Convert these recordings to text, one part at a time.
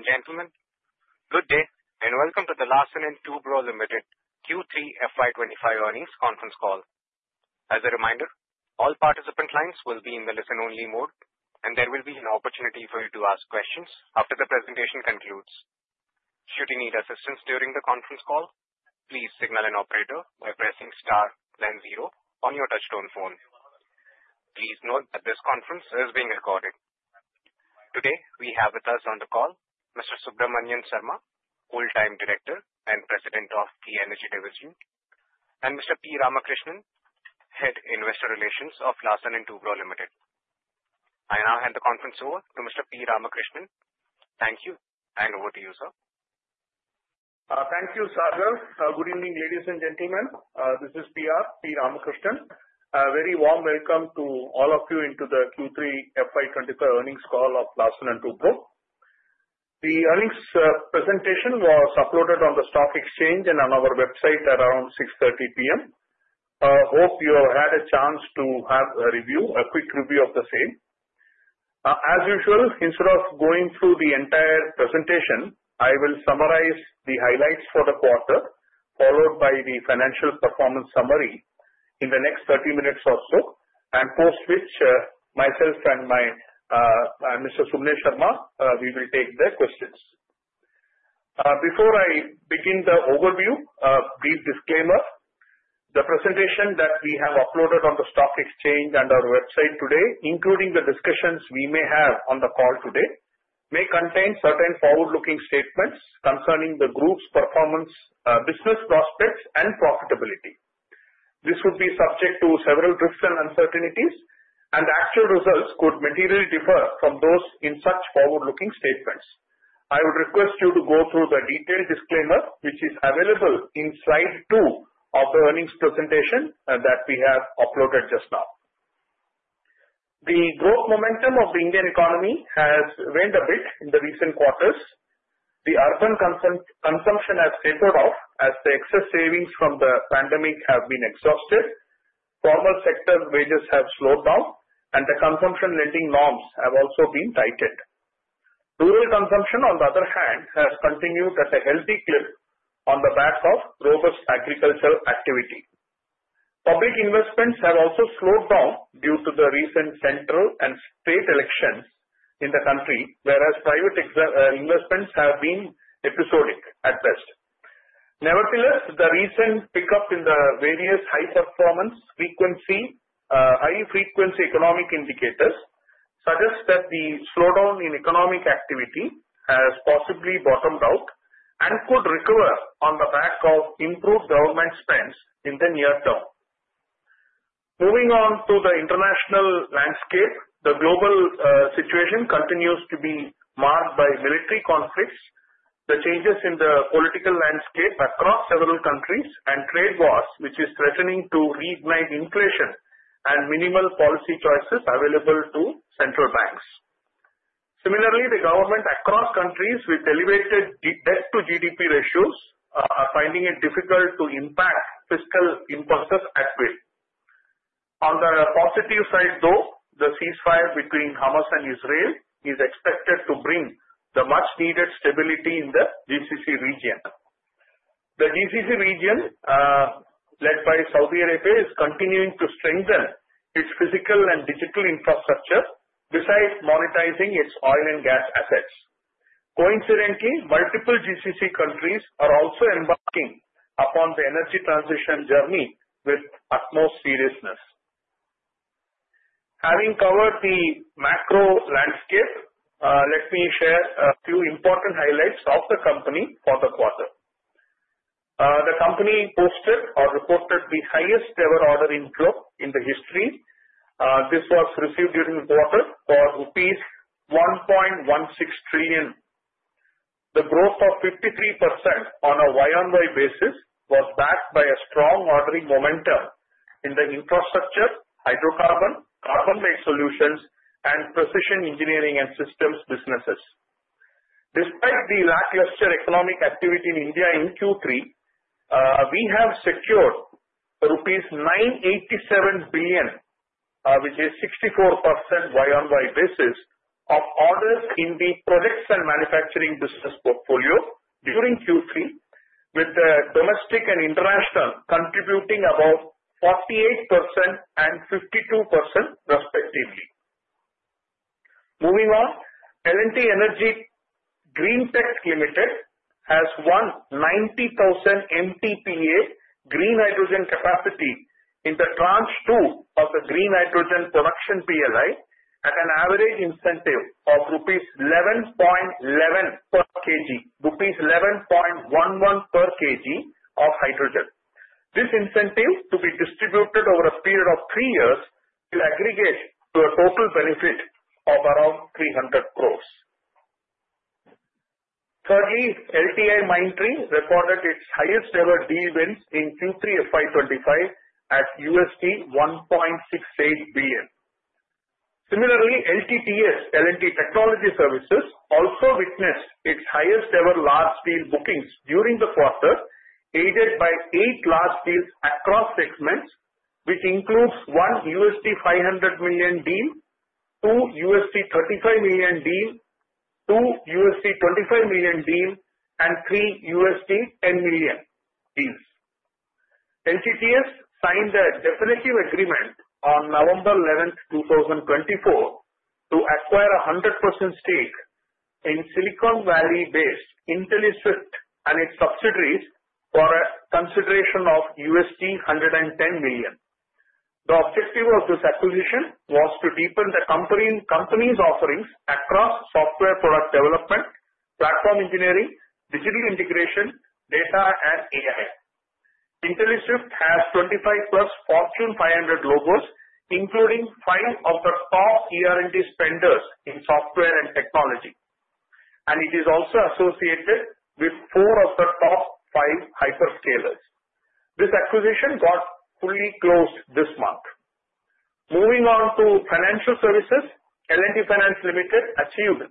Ladies and gentlemen, good day, and welcome to the Larsen & Toubro Limited Q3 FY25 earnings conference call. As a reminder, all participant lines will be in the listen-only mode, and there will be an opportunity for you to ask questions after the presentation concludes. Should you need assistance during the conference call, please signal an operator by pressing star then zero on your touch-tone phone. Please note that this conference is being recorded. Today, we have with us on the call Mr. Subramanian Sarma, whole-time director and president of the Energy division, and Mr. P. Ramakrishnan, Head, Investor Relations, of Larsen & Toubro Limited. I now hand the conference over to Mr. P. Ramakrishnan. Thank you, and over to you, sir. Thank you, Sagar. Good evening, ladies and gentlemen. This is P.R., P. Ramakrishnan. A very warm welcome to all of you to the Q3 FY25 earnings call of Larsen & Toubro. The earnings presentation was uploaded on the stock exchange and on our website at around 6:30 P.M. Hope you have had a chance to have a review, a quick review of the same. As usual, instead of going through the entire presentation, I will summarize the highlights for the quarter, followed by the financial performance summary in the next 30 minutes or so, and after which, myself and Mr. Subramanian Sarma, we will take the questions. Before I begin the overview, a brief disclaimer. The presentation that we have uploaded on the stock exchange and our website today, including the discussions we may have on the call today, may contain certain forward-looking statements concerning the group's performance, business prospects, and profitability. This would be subject to several risks and uncertainties, and actual results could materially differ from those in such forward-looking statements. I would request you to go through the detailed disclaimer, which is available in slide two of the earnings presentation that we have uploaded just now. The growth momentum of the Indian economy has waned a bit in the recent quarters. The urban consumption has tapered off as the excess savings from the pandemic have been exhausted, formal sector wages have slowed down, and the consumption lending norms have also been tightened. Rural consumption, on the other hand, has continued at a healthy clip on the back of robust agricultural activity. Public investments have also slowed down due to the recent central and state elections in the country, whereas private investments have been episodic at best. Nevertheless, the recent pickup in the various high-performance, high-frequency economic indicators suggests that the slowdown in economic activity has possibly bottomed out and could recover on the back of improved government spends in the near term. Moving on to the international landscape, the global situation continues to be marked by military conflicts, the changes in the political landscape across several countries, and trade wars, which is threatening to reignite inflation and minimal policy choices available to central banks. Similarly, the government across countries with elevated Debt-to-GDP ratios are finding it difficult to impact fiscal impulses at will. On the positive side, though, the ceasefire between Hamas and Israel is expected to bring the much-needed stability in the GCC region. The GCC region, led by Saudi Arabia, is continuing to strengthen its physical and digital infrastructure besides monetizing its oil and gas assets. Coincidentally, multiple GCC countries are also embarking upon the energy transition journey with utmost seriousness. Having covered the macro landscape, let me share a few important highlights of the company for the quarter. The company posted or reported the highest-ever order inflow growth in the history. This was received during the quarter for rupees 1.16 trillion. The growth of 53% on a Y-on-Y basis was backed by a strong ordering momentum in the infrastructure, hydrocarbon, CarbonLite Solutions, and Precision Engineering Systems businesses. Despite the lackluster economic activity in India in Q3, we have secured rupees 987 billion, which is 64% Y-on-Y basis, of orders in the Projects and Manufacturing business portfolio during Q3, with domestic and international contributing about 48% and 52%, respectively. Moving on, L&T Energy Green Tech Limited has won 90,000 MTPA green hydrogen capacity in the Tranche II of the green hydrogen production PLI at an average incentive of rupees 11.11 per kg, rupees 11.11 per kg of hydrogen. This incentive, to be distributed over a period of three years, will aggregate to a total benefit of around 300 crores. Thirdly, LTIMindtree recorded its highest-ever deal wins in Q3 FY25 at $1.68 billion. Similarly, LTTS, L&T Technology Services, also witnessed its highest-ever large deal bookings during the quarter, aided by eight large deals across segments, which includes one $500 million deal, two $35 million deal, two $25 million deal, and three $10 million deals. LTTS signed a definitive agreement on November 11, 2024, to acquire a 100% stake in Silicon Valley-based Intelliswift and its subsidiaries for a consideration of $110 million. The objective of this acquisition was to deepen the company's offerings across software product development, platform engineering, digital integration, data, and AI. Intelliswift has 25 plus Fortune 500 globals, including five of the top ER&D spenders in software and technology, and it is also associated with four of the top five hyperscalers. This acquisition got fully closed this month. Moving on to financial services, L&T Finance Limited achieved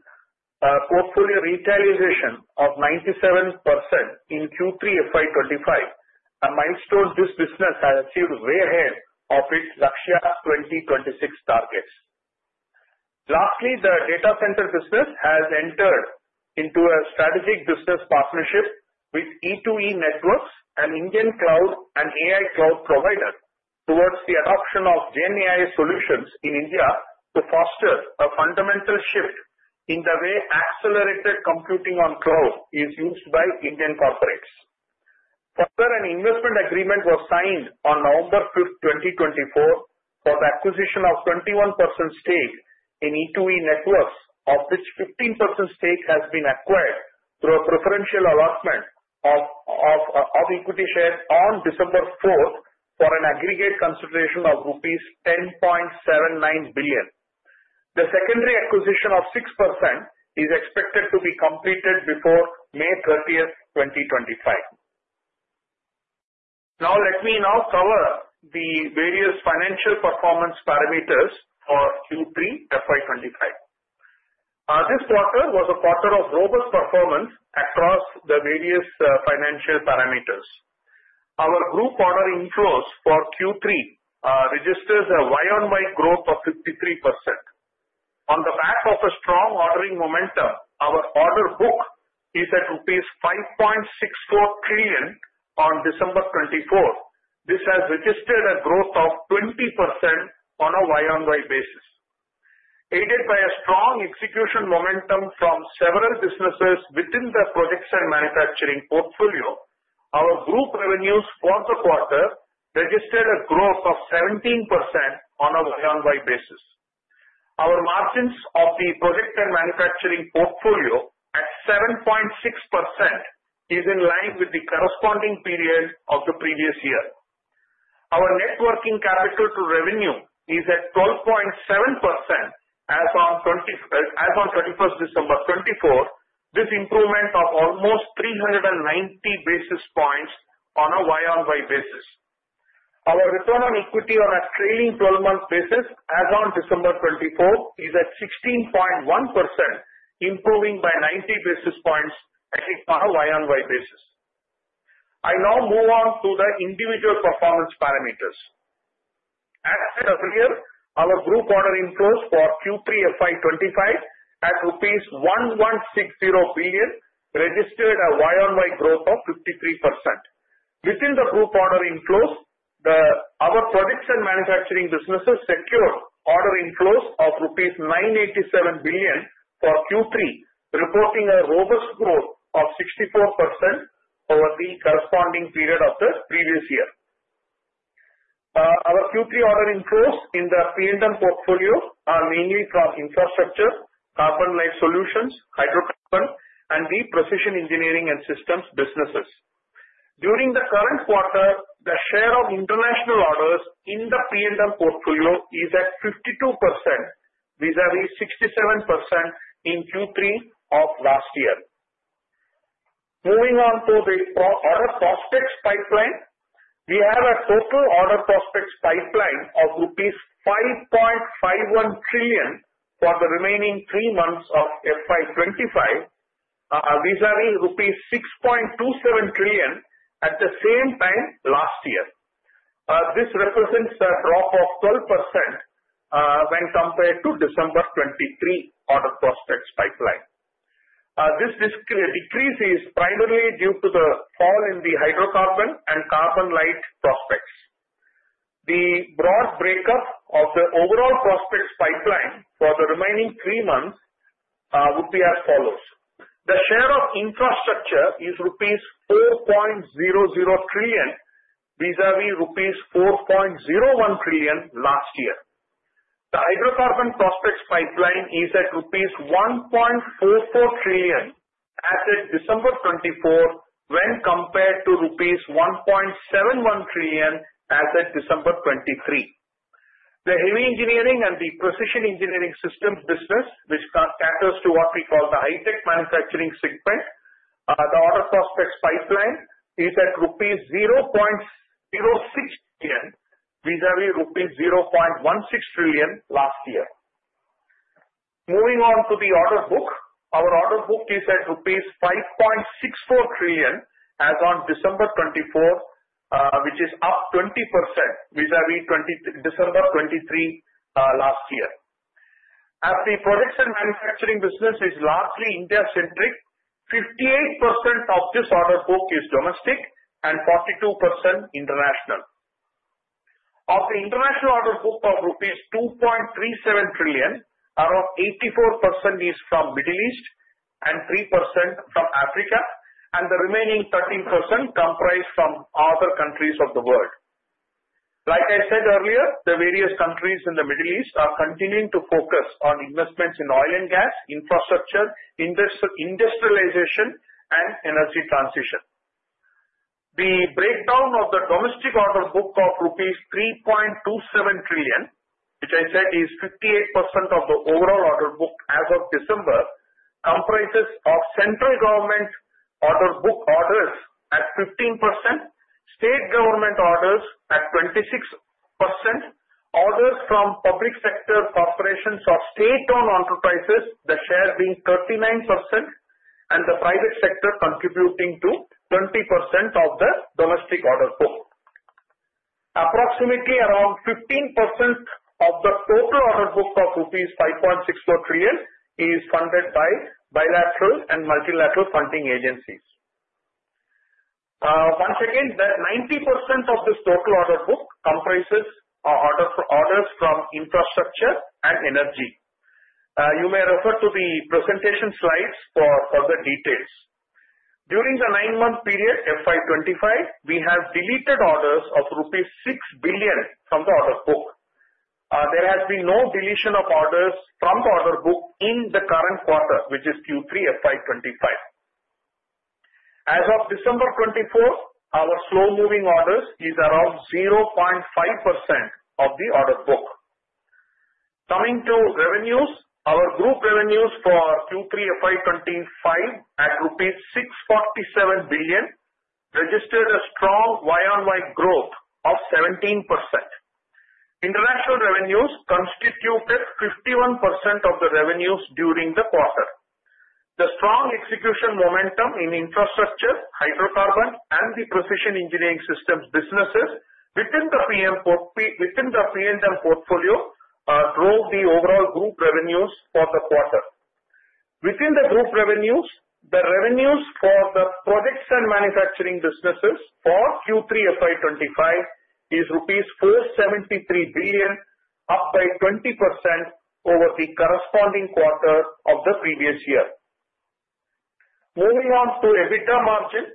a portfolio utilization of 97% in Q3 FY25, a milestone this business has achieved way ahead of its Lakshya 2026 targets. Lastly, the data center business has entered into a strategic business partnership with E2E Networks, an Indian cloud and AI cloud provider, towards the adoption of GenAI solutions in India to foster a fundamental shift in the way accelerated computing on cloud is used by Indian corporates. Further, an investment agreement was signed on November 5, 2024, for the acquisition of 21% stake in E2E Networks, of which 15% stake has been acquired through a preferential allotment of equity shares on December 4 for an aggregate consideration of rupees 10.79 billion. The secondary acquisition of 6% is expected to be completed before May 30, 2025. Now, let me cover the various financial performance parameters for Q3 FY25. This quarter was a quarter of robust performance across the various financial parameters. Our group ordering flows for Q3 registered a Y-on-Y growth of 53%. On the back of a strong ordering momentum, our order book is at rupees 5.64 trillion on December 24. This has registered a growth of 20% on a Y-on-Y basis. Aided by a strong execution momentum from several businesses within the Projects and Manufacturing portfolio, our group revenues for the quarter registered a growth of 17% on a Y-on-Y basis. Our margins of the Projects and Manufacturing portfolio at 7.6% is in line with the corresponding period of the previous year. Our net working capital to revenue is at 12.7% as on 21st December 2024. This improvement of almost 390 basis points on a Y-on-Y basis. Our return on equity on a trailing 12-month basis as on December 2024 is at 16.1%, improving by 90 basis points on a Y-on-Y basis. I now move on to the individual performance parameters. As said earlier, our group order inflows for Q3 FY25 at rupees 1160 billion registered a Y-on-Y growth of 53%. Within the group ordering flows, our Projects and Manufacturing businesses secured ordering flows of rupees 987 billion for Q3, reporting a robust growth of 64% over the corresponding period of the previous year. Our Q3 ordering flows in the P&M portfolio are mainly from infrastructure, CarbonLite Solutions, hydrocarbon, and the precision engineering and systems businesses. During the current quarter, the share of international orders in the P&M portfolio is at 52%, vis-à-vis 67% in Q3 of last year. Moving on to the order prospects pipeline, we have a total order prospects pipeline of rupees 5.51 trillion for the remaining three months of FY25, vis-à-vis rupees 6.27 trillion at the same time last year. This represents a drop of 12% when compared to December 2023 order prospects pipeline. This decrease is primarily due to the fall in the hydrocarbon and CarbonLite prospects. The broad breakup of the overall prospects pipeline for the remaining three months would be as follows. The share of infrastructure is rupees 4.00 trillion, vis-à-vis rupees 4.01 trillion last year. The hydrocarbon prospects pipeline is at rupees 1.44 trillion as of December 24 when compared to rupees 1.71 trillion as of December 23. The Heavy Engineering and the Precision Engineering Systems business, which caters to what we call the Hi-Tech Manufacturing segment, the order prospects pipeline is at rupees 0.06 trillion, vis-à-vis rupees 0.16 trillion last year. Moving on to the order book, our order book is at rupees 5.64 trillion as on December 24, which is up 20% vis-à-vis December 23 last year. As the Projects and Manufacturing business is largely India-centric, 58% of this order book is domestic and 42% international. Of the international order book of rupees 2.37 trillion, around 84% is from the Middle East and 3% from Africa, and the remaining 13% comprised from other countries of the world. Like I said earlier, the various countries in the Middle East are continuing to focus on investments in oil and gas, infrastructure, industrialization, and energy transition. The breakdown of the domestic order book of rupees 3.27 trillion, which I said is 58% of the overall order book as of December, comprises of central government order book orders at 15%, state government orders at 26%, orders from public sector corporations or state-owned enterprises, the share being 39%, and the private sector contributing to 20% of the domestic order book. Approximately around 15% of the total order book of rupees 5.64 trillion is funded by bilateral and multilateral funding agencies. Once again, that 90% of this total order book comprises orders from infrastructure and energy. You may refer to the presentation slides for further details. During the nine-month period FY25, we have deleted orders of rupees 6 billion from the order book. There has been no deletion of orders from the order book in the current quarter, which is Q3 FY25. As of December 24, our slow-moving orders are around 0.5% of the order book. Coming to revenues, our group revenues for Q3 FY25 at rupees 647 billion registered a strong Y-on-Y growth of 17%. International revenues constitute 51% of the revenues during the quarter. The strong execution momentum in infrastructure, hydrocarbon, and the Precision Engineering Systems businesses within the P&M portfolio drove the overall group revenues for the quarter. Within the group revenues, the revenues for the Products and Manufacturing businesses for Q3 FY25 is rupees 473 billion, up by 20% over the corresponding quarter of the previous year. Moving on to EBITDA margin,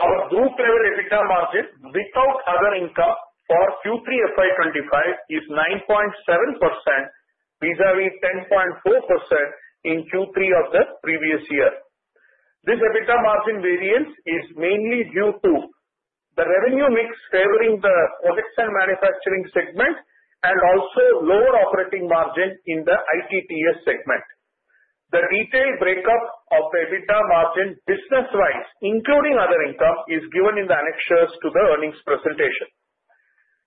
our group level EBITDA margin without other income for Q3 FY25 is 9.7%, vis-à-vis 10.4% in Q3 of the previous year. This EBITDA margin variance is mainly due to the revenue mix favoring the Products and Manufacturing segment and also lower operating margin in the LTTS segment. The detailed breakup of the EBITDA margin business-wise, including other income, is given in the annexes to the earnings presentation.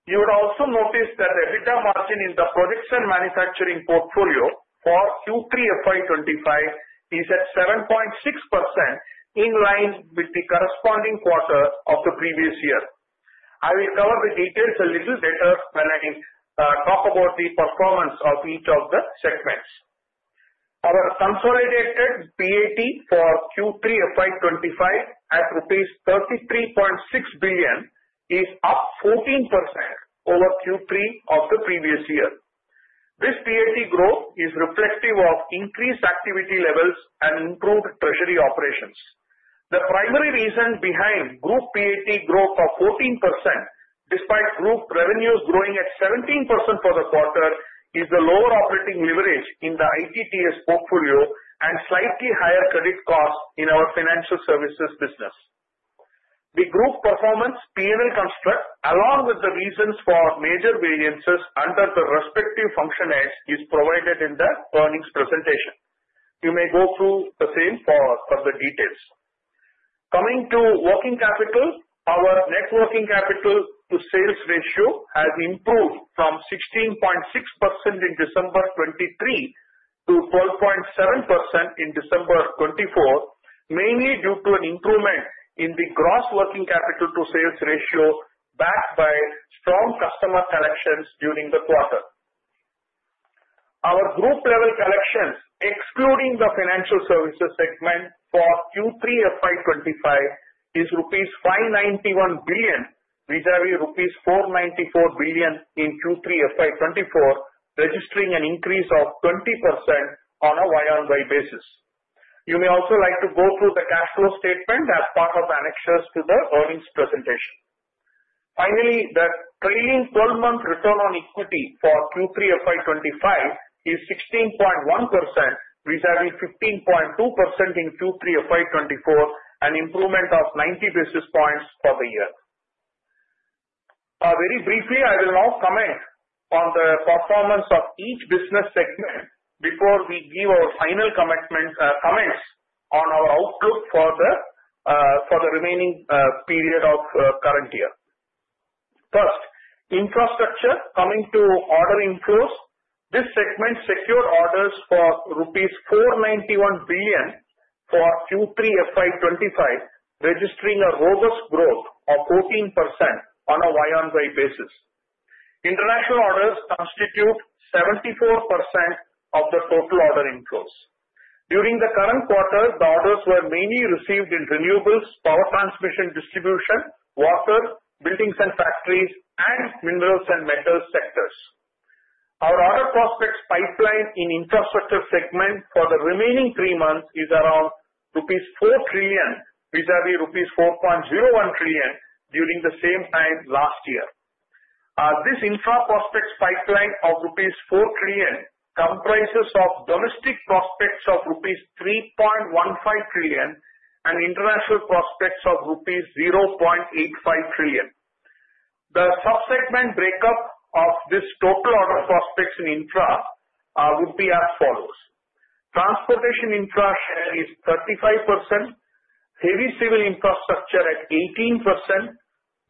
You would also notice that the EBITDA margin in the Products and Manufacturing portfolio for Q3 FY25 is at 7.6% in line with the corresponding quarter of the previous year. I will cover the details a little later when I talk about the performance of each of the segments. Our consolidated PAT for Q3 FY25 at rupees 33.6 billion is up 14% over Q3 of the previous year. This PAT growth is reflective of increased activity levels and improved treasury operations. The primary reason behind group PAT growth of 14%, despite group revenues growing at 17% for the quarter, is the lower operating leverage in the LTTS portfolio and slightly higher credit costs in our financial services business. The group performance P&L construct, along with the reasons for major variances under the respective function heads, is provided in the earnings presentation. You may go through the same for further details. Coming to working capital, our net working capital to sales ratio has improved from 16.6% in December 2023 to 12.7% in December 2024, mainly due to an improvement in the gross working capital to sales ratio backed by strong customer collections during the quarter. Our group level collections, excluding the financial services segment, for Q3 FY25 is rupees 591 billion, vis-à-vis rupees 494 billion in Q3 FY24, registering an increase of 20% on a Y-on-Y basis. You may also like to go through the cash flow statement as part of the annexes to the earnings presentation. Finally, the trailing 12-month return on equity for Q3 FY25 is 16.1%, vis-à-vis 15.2% in Q3 FY24, an improvement of 90 basis points for the year. Very briefly, I will now comment on the performance of each business segment before we give our final comments on our outlook for the remaining period of current year. First, infrastructure. Coming to ordering flows, this segment secured orders for rupees 491 billion for Q3 FY25, registering a robust growth of 14% on a Y-on-Y basis. International orders constitute 74% of the total ordering flows. During the current quarter, the orders were mainly received in renewables, power transmission distribution, water, buildings and factories, and minerals and metals sectors. Our order prospects pipeline in infrastructure segment for the remaining three months is around rupees 4 trillion, vis-à-vis rupees 4.01 trillion during the same time last year. This infra prospects pipeline of rupees 4 trillion comprises domestic prospects of rupees 3.15 trillion and international prospects of rupees 0.85 trillion. The subsegment breakup of this total order prospects in infra would be as follows. Transportation Infra share is 35%, Heavy Civil Infrastructure at 18%,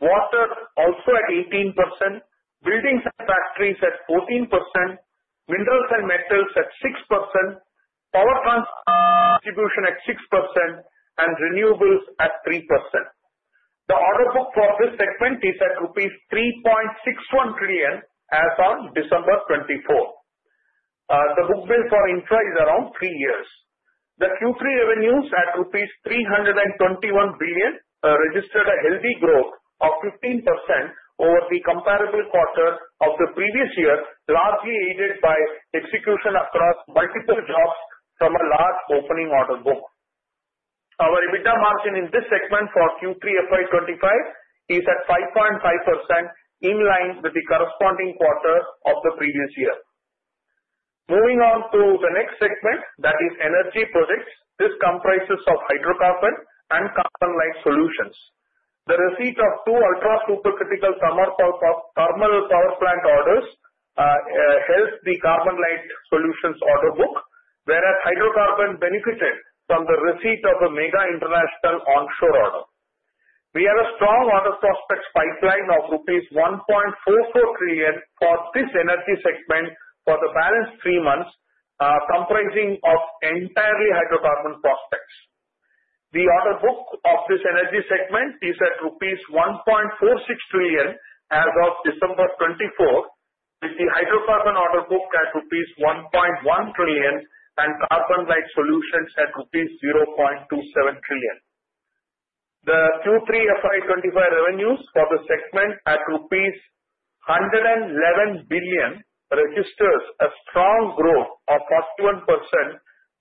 water also at 18%, buildings and factories at 14%, minerals and metals at 6%, power distribution at 6%, and renewables at 3%. The order book for this segment is at rupees 3.61 trillion as of December 2024. The book-to-bill for infra is around three years. The Q3 revenues at INR 321 billion registered a healthy growth of 15% over the comparable quarter of the previous year, largely aided by execution across multiple jobs from a large opening order book. Our EBITDA margin in this segment for Q3 FY25 is at 5.5% in line with the corresponding quarter of the previous year. Moving on to the next segment, that is energy products. This comprises hydrocarbon and CarbonLite Solutions. The receipt of two ultra-supercritical thermal power plant orders helped the CarbonLite Solutions order book, whereas hydrocarbon benefited from the receipt of a mega international onshore order. We have a strong order prospects pipeline of rupees 1.44 trillion for this energy segment for the balance three months, comprising of entirely hydrocarbon prospects. The order book of this energy segment is at rupees 1.46 trillion as of December 24, with the hydrocarbon order book at rupees 1.1 trillion and CarbonLite Solutions at rupees 0.27 trillion. The Q3 FY25 revenues for the segment at rupees 111 billion registers a strong growth of 41%,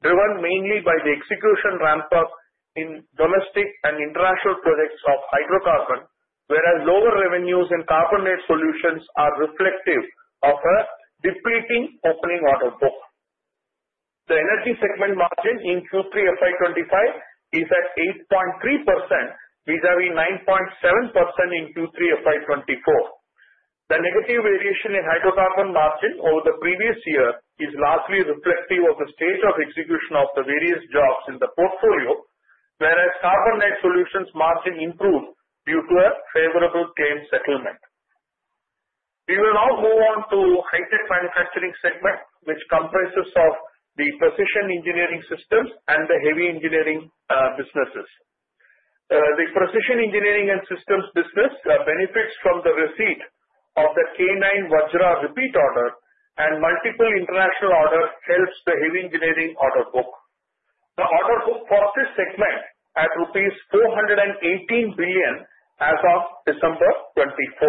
driven mainly by the execution ramp-up in domestic and international products of hydrocarbon, whereas lower revenues in CarbonLite Solutions are reflective of a depleting opening order book. The energy segment margin in Q3 FY25 is at 8.3%, vis-à-vis 9.7% in Q3 FY24. The negative variation in hydrocarbon margin over the previous year is largely reflective of the state of execution of the various jobs in the portfolio, whereas CarbonLite Solutions margin improved due to a favorable claim settlement. We will now move on to Hi-Tech Manufacturing segment, which comprises of the Precision Engineering Systems and the Heavy Engineering businesses. The precision engineering and systems business benefits from the receipt of the K9 Vajra repeat order, and multiple international orders help the Heavy Engineering order book. The order book for this segment is at rupees 418 billion as of December 24.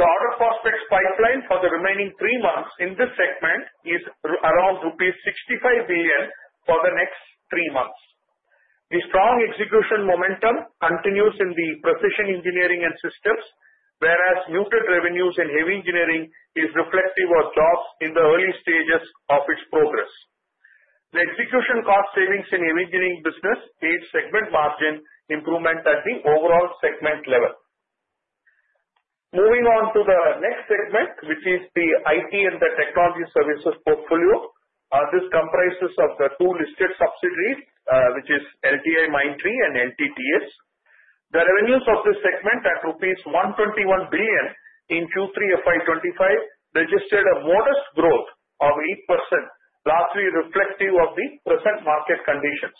The order prospects pipeline for the remaining three months in this segment is around rupees 65 billion for the next three months. The strong execution momentum continues in the precision engineering and systems, whereas muted revenues in Heavy Engineering are reflective of jobs in the early stages of its progress. The execution cost savings in Heavy Engineering business aid segment margin improvement at the overall segment level. Moving on to the next segment, which is the IT and the technology services portfolio. This comprises of the two listed subsidiaries, which are LTIMindtree and LTTS. The revenues of this segment are at rupees 121 billion in Q3 FY25, registered a modest growth of 8%, largely reflective of the present market conditions.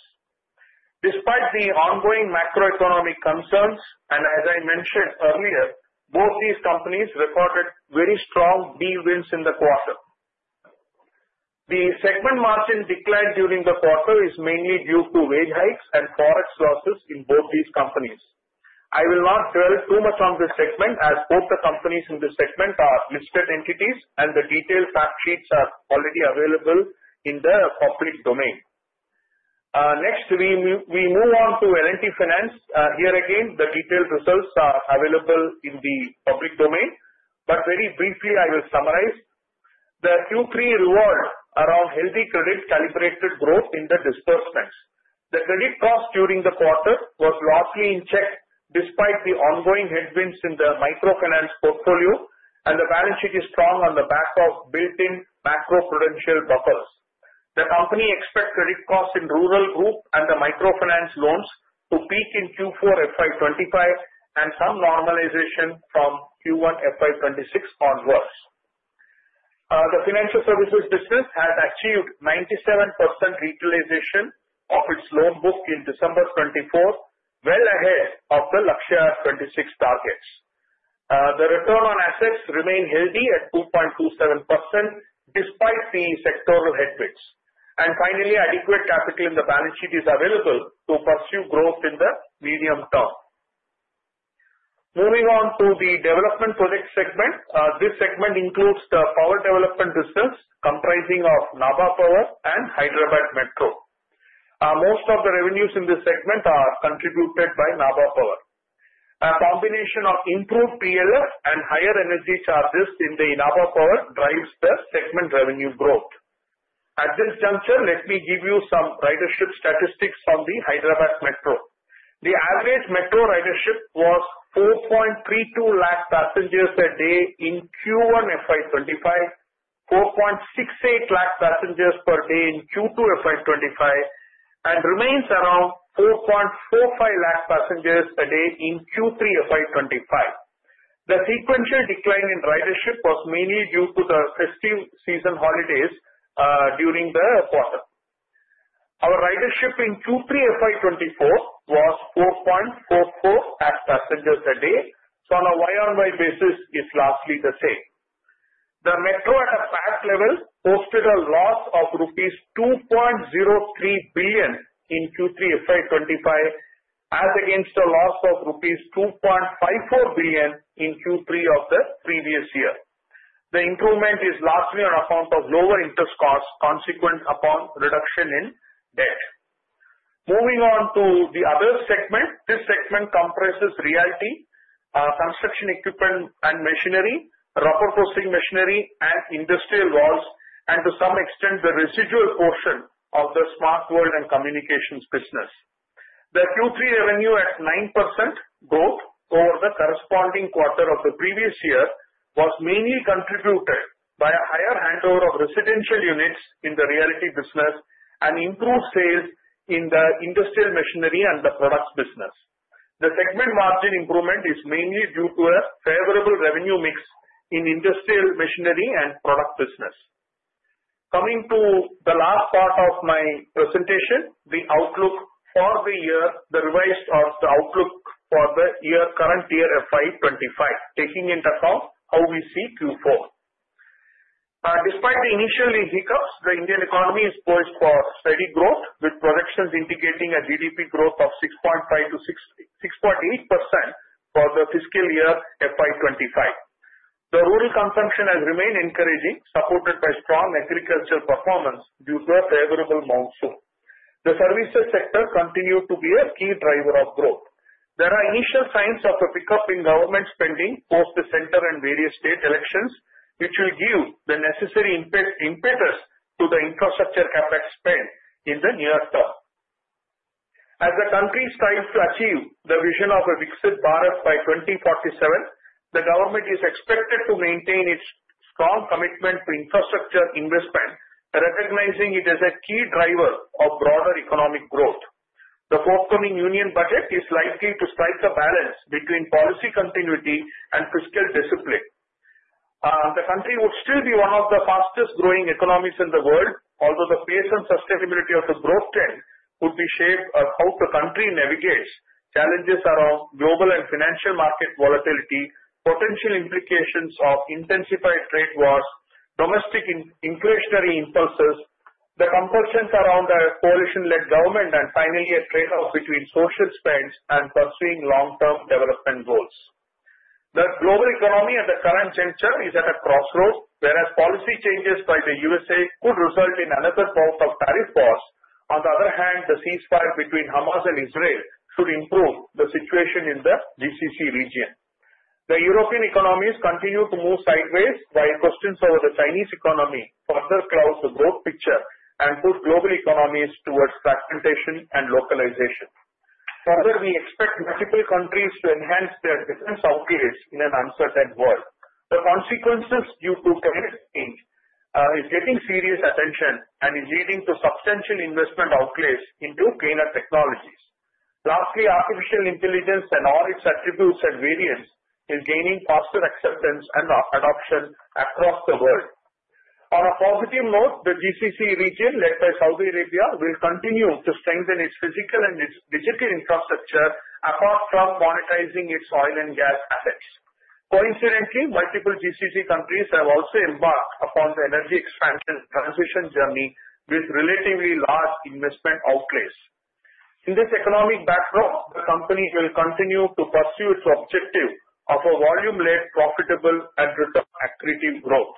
Despite the ongoing macroeconomic concerns, and as I mentioned earlier, both these companies recorded very strong big wins in the quarter. The segment margin decline during the quarter is mainly due to wage hikes and forex losses in both these companies. I will not dwell too much on this segment, as both the companies in this segment are listed entities, and the detailed fact sheets are already available in the public domain. Next, we move on to L&T Finance. Here again, the detailed results are available in the public domain, but very briefly, I will summarize. The Q3 results show around healthy credit calibrated growth in the disbursements. The credit cost during the quarter was largely in check despite the ongoing headwinds in the microfinance portfolio, and the balance sheet is strong on the back of built-in macro prudential buffers. The company expects credit costs in Rural Group and the microfinance loans to peak in Q4 FY25 and some normalization from Q1 FY26 onwards. The financial services business has achieved 97% utilization of its loan book in December 2024, well ahead of the Lakshya 2026 targets. The return on assets remains healthy at 2.27% despite the sectoral headwinds, and finally, adequate capital in the balance sheet is available to pursue growth in the medium term. Moving on to the development project segment, this segment includes the power development business comprising of Nabha Power and Hyderabad Metro. Most of the revenues in this segment are contributed by Nabha Power. A combination of improved PLF and higher energy charges in the Nabha Power drives the segment revenue growth. At this juncture, let me give you some ridership statistics from the Hyderabad Metro. The average Metro ridership was 4.32 lakh passengers a day in Q1 FY25, 4.68 lakh passengers per day in Q2 FY25, and remains around 4.45 lakh passengers a day in Q3 FY25. The sequential decline in ridership was mainly due to the festive season holidays during the quarter. Our ridership in Q3 FY24 was 4.44 lakh passengers a day, so on a Y-on-Y basis, it's largely the same. The Metro at a PAT level posted a loss of rupees 2.03 billion in Q3 FY25, as against a loss of rupees 2.54 billion in Q3 of the previous year. The improvement is largely on account of lower interest costs consequent upon reduction in debt. Moving on to the other segment, this segment comprises realty, construction equipment and machinery, rubber processing machinery, and industrial valves, and to some extent, the residual portion of the Smart World & Communication business. The Q3 revenue at 9% growth over the corresponding quarter of the previous year was mainly contributed by a higher handover of residential units in the realty business and improved sales in the industrial machinery and the products business. The segment margin improvement is mainly due to a favorable revenue mix in industrial machinery and product business. Coming to the last part of my presentation, the outlook for the year, the revised outlook for the current year FY25, taking into account how we see Q4. Despite the initial hiccups, the Indian economy is poised for steady growth, with projections indicating a GDP growth of 6.5%-6.8% for the fiscal year FY25. The rural consumption has remained encouraging, supported by strong agricultural performance due to a favorable monsoon. The services sector continues to be a key driver of growth. There are initial signs of a pickup in government spending post the center and various state elections, which will give the necessary impetus to the infrastructure CapEx spend in the near term. As the country strives to achieve the vision of a Viksit Bharat by 2047, the government is expected to maintain its strong commitment to infrastructure investment, recognizing it as a key driver of broader economic growth. The forthcoming union budget is likely to strike a balance between policy continuity and fiscal discipline. The country would still be one of the fastest growing economies in the world, although the pace and sustainability of the growth trend would be shaped by how the country navigates challenges around global and financial market volatility, potential implications of intensified trade wars, domestic inflationary impulses, the compulsions around a coalition-led government, and finally, a trade-off between social spends and pursuing long-term development goals. The global economy at the current juncture is at a crossroad, whereas policy changes by the USA could result in another bout of tariff wars. On the other hand, the ceasefire between Hamas and Israel should improve the situation in the GCC region. The European economies continue to move sideways, while questions over the Chinese economy further cloud the growth picture and put global economies towards fragmentation and localization. Further, we expect multiple countries to enhance their defense outlays in an uncertain world. The consequences due to climate change are getting serious attention and are leading to substantial investment outlays into cleaner technologies. Lastly, artificial intelligence and all its attributes and variants are gaining faster acceptance and adoption across the world. On a positive note, the GCC region, led by Saudi Arabia, will continue to strengthen its physical and its digital infrastructure apart from monetizing its oil and gas assets. Coincidentally, multiple GCC countries have also embarked upon the energy expansion transition journey with relatively large investment outlays. In this economic backdrop, the company will continue to pursue its objective of a volume-led, profitable, and rhythmic accretive growth.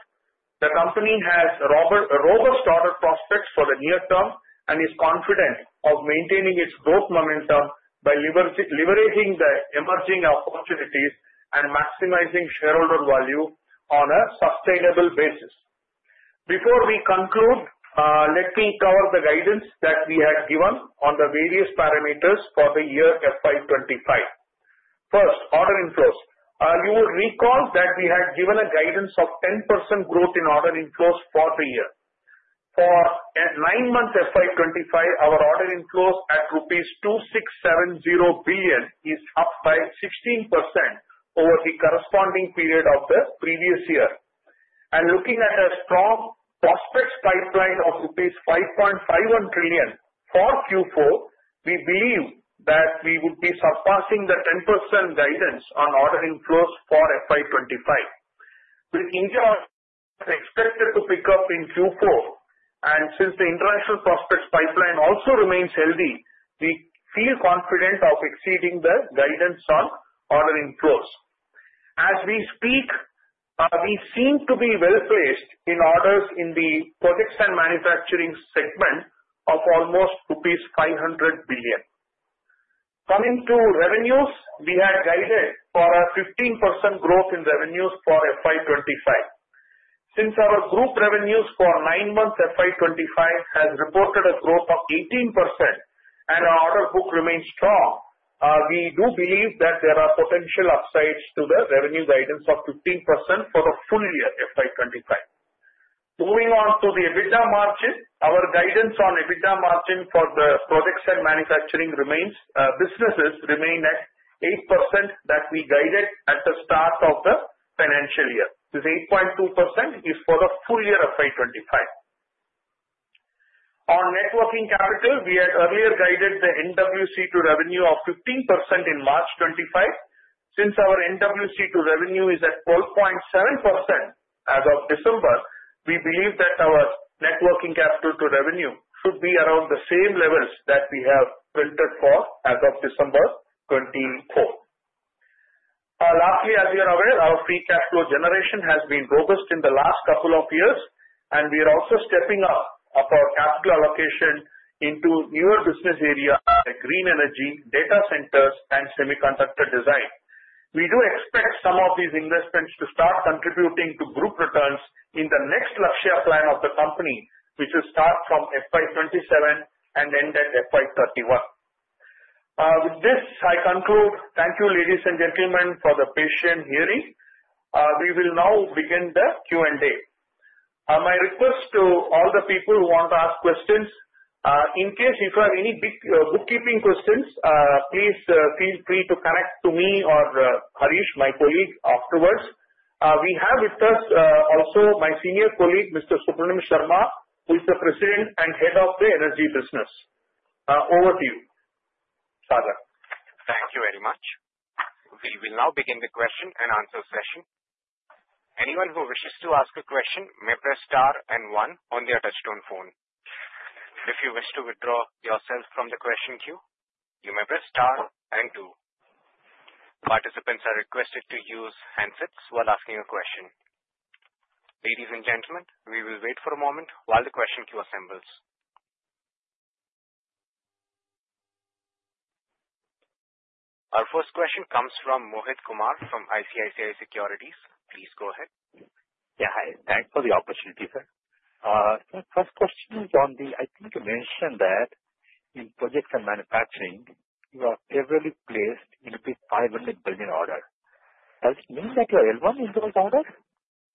The company has robust order prospects for the near term and is confident of maintaining its growth momentum by leveraging the emerging opportunities and maximizing shareholder value on a sustainable basis. Before we conclude, let me cover the guidance that we have given on the various parameters for the year FY25. First, order inflows. You will recall that we had given a guidance of 10% growth in order inflows for the year. For nine months FY25, our order inflows at rupees 2,670 billion is up by 16% over the corresponding period of the previous year, and looking at a strong prospects pipeline of rupees 5.51 trillion for Q4, we believe that we would be surpassing the 10% guidance on order inflows for FY25. With India expected to pick up in Q4, and since the international prospects pipeline also remains healthy, we feel confident of exceeding the guidance on order inflows. As we speak, we seem to be well placed in orders in the projects and manufacturing segment of almost rupees 500 billion. Coming to revenues, we had guided for a 15% growth in revenues for FY25. Since our group revenues for nine months FY25 have reported a growth of 18% and our order book remains strong, we do believe that there are potential upsides to the revenue guidance of 15% for the full year FY25. Moving on to the EBITDA margin, our guidance on EBITDA margin for the projects and manufacturing businesses remains at 8% that we guided at the start of the financial year. This 8.2% is for the full year FY25. On net working capital, we had earlier guided the NWC to revenue of 15% in March 2025. Since our NWC to revenue is at 12.7% as of December, we believe that our net working capital to revenue should be around the same levels that we have filtered for as of December 2024. Lastly, as you're aware, our free cash flow generation has been robust in the last couple of years, and we are also stepping up our capital allocation into newer business areas like green energy, data centers, and semiconductor design. We do expect some of these investments to start contributing to group returns in the next Lakshya plan of the company, which will start from FY27 and end at FY31. With this, I conclude. Thank you, ladies and gentlemen, for the patient hearing. We will now begin the Q&A. My request to all the people who want to ask questions, in case you have any bookkeeping questions, please feel free to connect to me or Harish, my colleague, afterwards. We have with us also my senior colleague, Mr. Subramanian Sarma, who is the President and Head of the Energy Business. Over to you, Sagar. Thank you very much. We will now begin the question and answer session. Anyone who wishes to ask a question may press star and one on the touch-tone phone. If you wish to withdraw yourself from the question queue, you may press star and two. Participants are requested to use handsets while asking a question. Ladies and gentlemen, we will wait for a moment while the question queue assembles. Our first question comes from Mohit Kumar from ICICI Securities. Please go ahead. Yeah, hi. Thanks for the opportunity, sir. My first question is on the, I think you mentioned that in projects and manufacturing, you are heavily placed in a 500 billion order. Does it mean that you are well in those orders?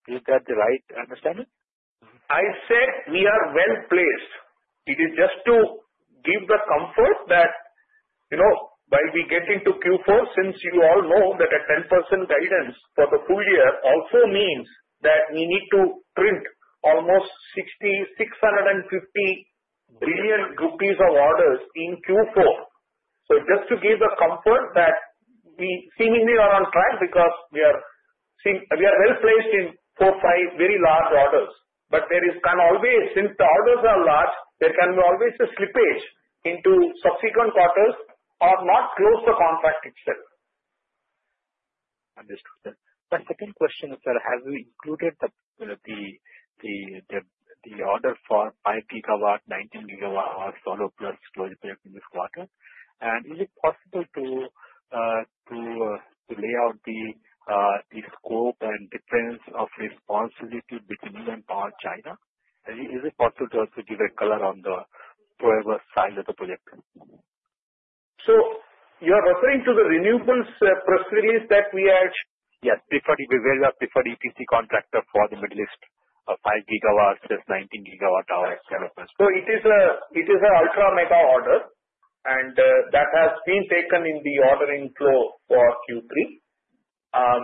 Is that the right understanding? I said we are well placed. It is just to give the comfort that while we get into Q4, since you all know that a 10% guidance for the full year also means that we need to print almost 650 billion rupees of orders in Q4. So just to give the comfort that we seemingly are on track because we are well placed in four, five, very large orders. But there is always, since the orders are large, there can be always a slippage into subsequent quarters or not close the contract itself. Understood. My second question is that have you included the order for 5 gigawatts, 19 gigawatts, solar plus closed this quarter? And is it possible to lay out the scope and division of responsibility between you and China, and is it possible to also give a color on the order book size of the project? So you are referring to the renewables press release that we had? Yes. Preferred EPC contractor for the Middle East, 5 gigawatts, 19 gigawatt hours. So it is an ultra mega order, and that has been taken in the ordering flow for Q3.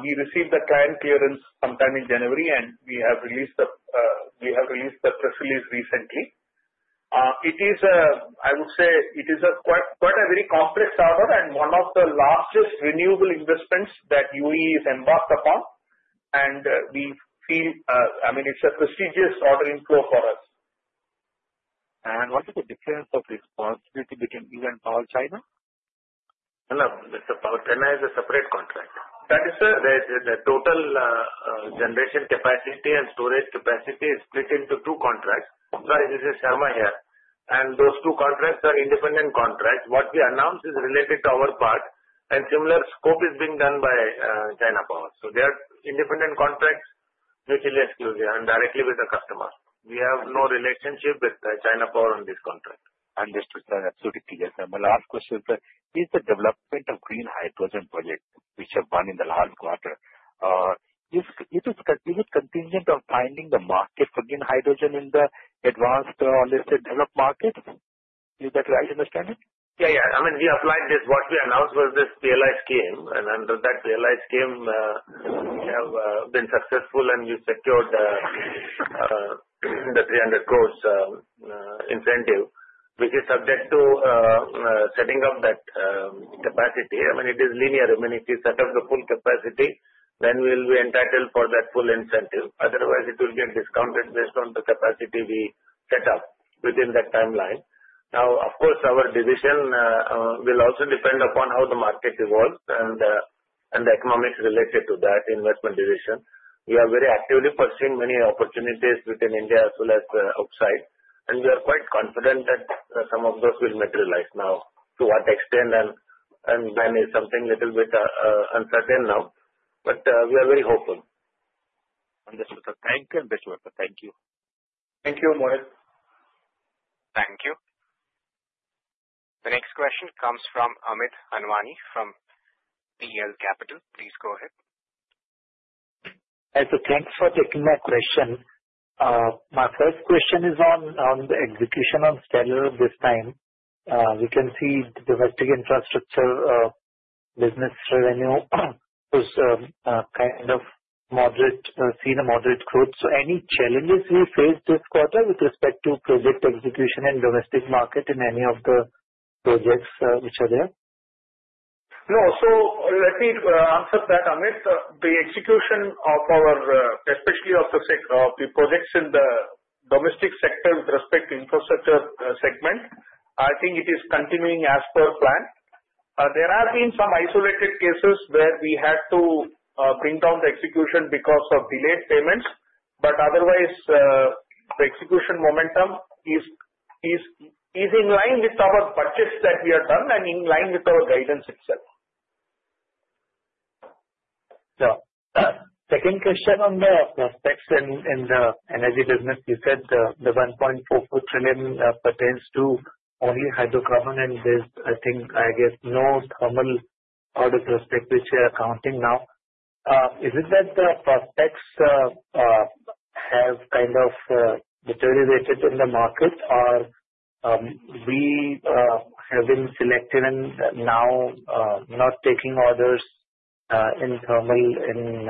We received the client clearance sometime in January, and we have released the press release recently. It is, I would say, it is quite a very complex order and one of the largest renewable investments that UAE is embarked upon, and we feel, I mean, it's a prestigious ordering flow for us. What is the difference of responsibility between you and China? Hello, Mr. Subramanian China has a separate contract? That is the total generation capacity and storage capacity is split into two contracts. Sorry, this is Sarma here. Those two contracts are independent contracts. What we announce is related to our part, and similar scope is being done by China Power. They are independent contracts, mutually exclusive, and directly with the customer. We have no relationship with China Power on this contract. Understood. That's so detailed. My last question is that is the development of Green Hydrogen project, which have run in the last quarter, is it a contingent of finding the market for Green Hydrogen in the advanced, let's say, developed markets? Is that right understanding? Yeah, yeah. I mean, we applied this. What we announced was this PLI scheme, and under that PLI scheme, we have been successful, and we secured the 300 crores incentive, which is subject to setting up that capacity. I mean, it is linear. I mean, if we set up the full capacity, then we will be entitled for that full incentive. Otherwise, it will get discounted based on the capacity we set up within that timeline. Now, of course, our decision will also depend upon how the market evolves and the economics related to that investment decision. We are very actively pursuing many opportunities within India as well as outside, and we are quite confident that some of those will materialize now. To what extent and when is something a little bit uncertain now, but we are very hopeful. Understood. Thank you, Mr. P. Ramakrishnan. Thank you. Thank you, Mohit. Thank you. The next question comes from Amit Anwani from PL Capital. Please go ahead. Thanks for taking my question. My first question is on the execution in the sector this time. We can see domestic infrastructure business revenue was kind of moderate, saw a moderate growth. So any challenges we faced this quarter with respect to project execution and domestic market in any of the projects which are there? No, so let me answer that, Amit. The execution of our, especially of the projects in the domestic sector with respect to infrastructure segment, I think it is continuing as per plan. There have been some isolated cases where we had to bring down the execution because of delayed payments, but otherwise, the execution momentum is in line with our budgets that we have done and in line with our guidance itself. Yeah. Second question on the prospects in the energy business. You said the 1.44 trillion pertains to only hydrocarbon, and there's, I think, I guess, no thermal order prospect which you're accounting now. Is it that the prospects have kind of deteriorated in the market, or we have been selective and now not taking orders in thermal in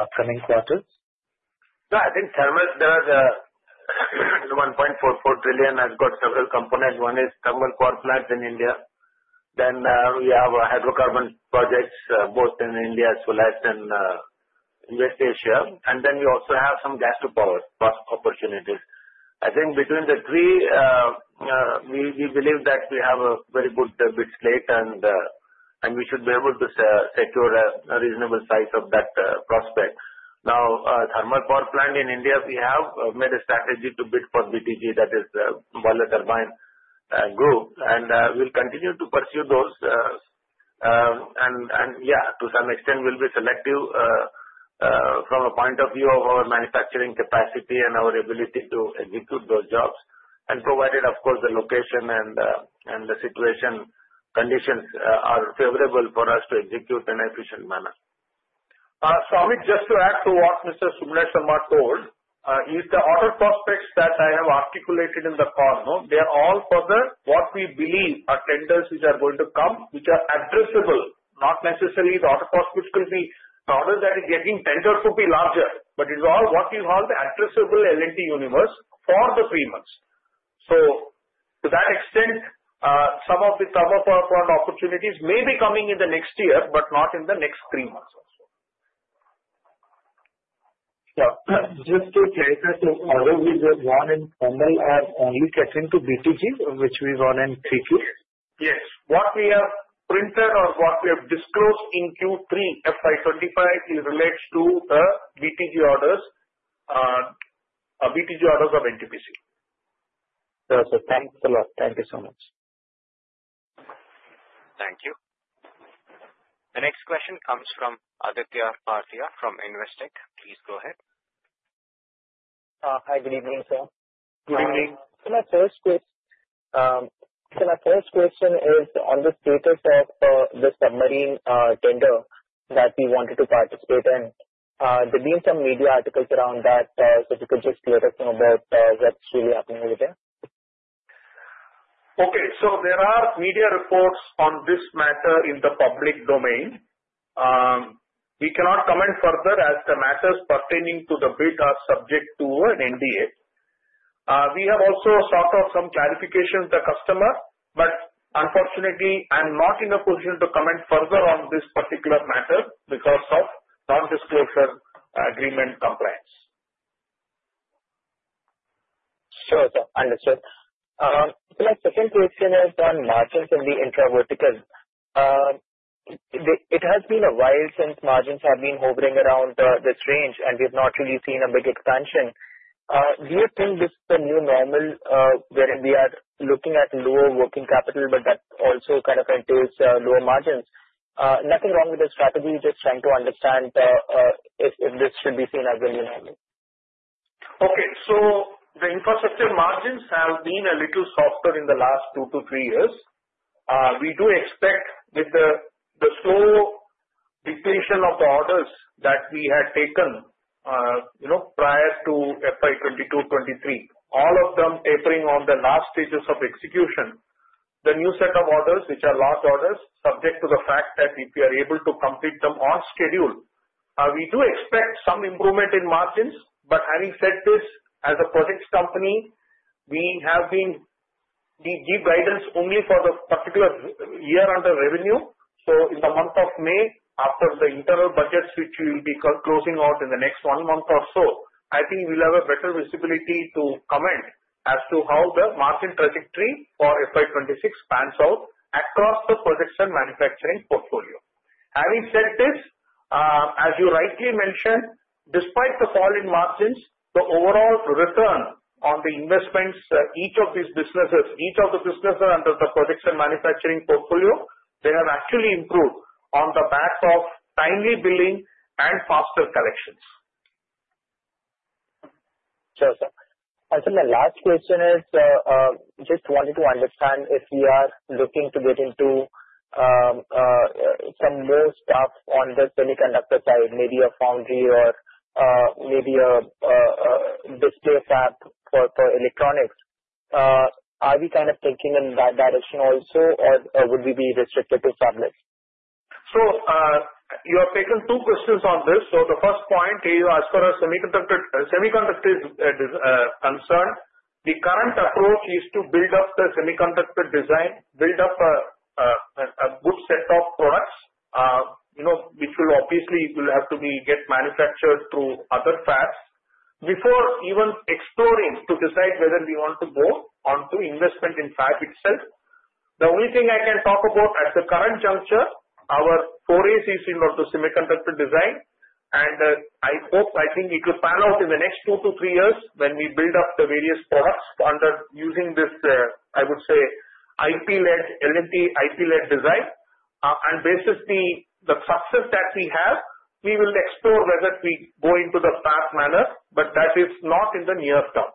upcoming quarters? No, I think thermal, there are the 1.44 trillion has got several components. One is thermal power plants in India. Then we have hydrocarbon projects both in India as well as in West Asia. And then we also have some gas-to-power opportunities. I think between the three, we believe that we have a very good bid slate and we should be able to secure a reasonable size of that prospect. Now, thermal power plant in India, we have made a strategy to bid for BTG, that is the boiler, turbine, and generator, and we'll continue to pursue those. And yeah, to some extent, we'll be selective from a point of view of our manufacturing capacity and our ability to execute those jobs, provided, of course, the location and the situation conditions are favorable for us to execute in an efficient manner. So, Amit, just to add to what Mr. Subramanian Sarma told is the order prospects that I have articulated in the call. They are all further what we believe are tenders which are going to come, which are addressable. Not necessarily the order prospects will be the order that is getting tender could be larger, but it's all what we call the addressable L&T universe for the three months. So to that extent, some of the thermal power plant opportunities may be coming in the next year, but not in the next three months. Yeah. Just to clarify, so orders we just won in thermal are only catering to BTG, which we won in three Qs? Yes. What we have printed or what we have disclosed in Q3 FY25 relates to the BTG orders of NTPC. Sir, thanks a lot. Thank you so much. Thank you. The next question comes from Aditya Bhartia from Investec. Please go ahead. Hi, good evening, sir. Good evening. So my first question is on the status of the submarine tender that we wanted to participate in. There have been some media articles around that, so if you could just let us know about what's really happening over there? Okay. So there are media reports on this matter in the public domain. We cannot comment further as the matters pertaining to the bid are subject to an NDA. We have also sought out some clarification with the customer, but unfortunately, I'm not in a position to comment further on this particular matter because of non-disclosure agreement compliance. Sure, sir. Understood. So my second question is on margins in the intra-vertical. It has been a while since margins have been hovering around this range, and we have not really seen a big expansion. Do you think this is the new normal wherein we are looking at lower working capital, but that also kind of entails lower margins? Nothing wrong with the strategy. We're just trying to understand if this should be seen as the new normal. Okay, so the infrastructure margins have been a little softer in the last two to three years. We do expect with the slow liquidation of the orders that we had taken prior to FY22-23, all of them tapering off in the last stages of execution, the new set of orders, which are large orders, subject to the fact that if we are able to complete them on schedule, we do expect some improvement in margins. But having said this, as a projects company, we have been given guidance only for the particular year under revenue. So in the month of May, after the internal budgets which we will be closing out in the next one month or so, I think we'll have a better visibility to comment as to how the margin trajectory for FY26 pans out across the projects and manufacturing portfolio. Having said this, as you rightly mentioned, despite the fall in margins, the overall return on the investments, each of these businesses, each of the businesses under the projects and manufacturing portfolio, they have actually improved on the back of timely billing and faster collections. Sure, sir. Also, my last question is just wanted to understand if we are looking to get into some more stuff on the semiconductor side, maybe a foundry or maybe a display fab for electronics. Are we kind of thinking in that direction also, or would we be restricted to fabless? So you have taken two questions on this. So the first point, as far as semiconductor is concerned, the current approach is to build up the semiconductor design, build up a good set of products, which will obviously have to be manufactured through other fabs before even exploring to decide whether we want to go on to investment in fab itself. The only thing I can talk about at the current juncture, our foray is in the semiconductor design, and I hope, I think it will pan out in the next two to three years when we build up the various products under using this, I would say, L&T IP-led design. And based on the success that we have, we will explore whether we go into the fab manner, but that is not in the near term.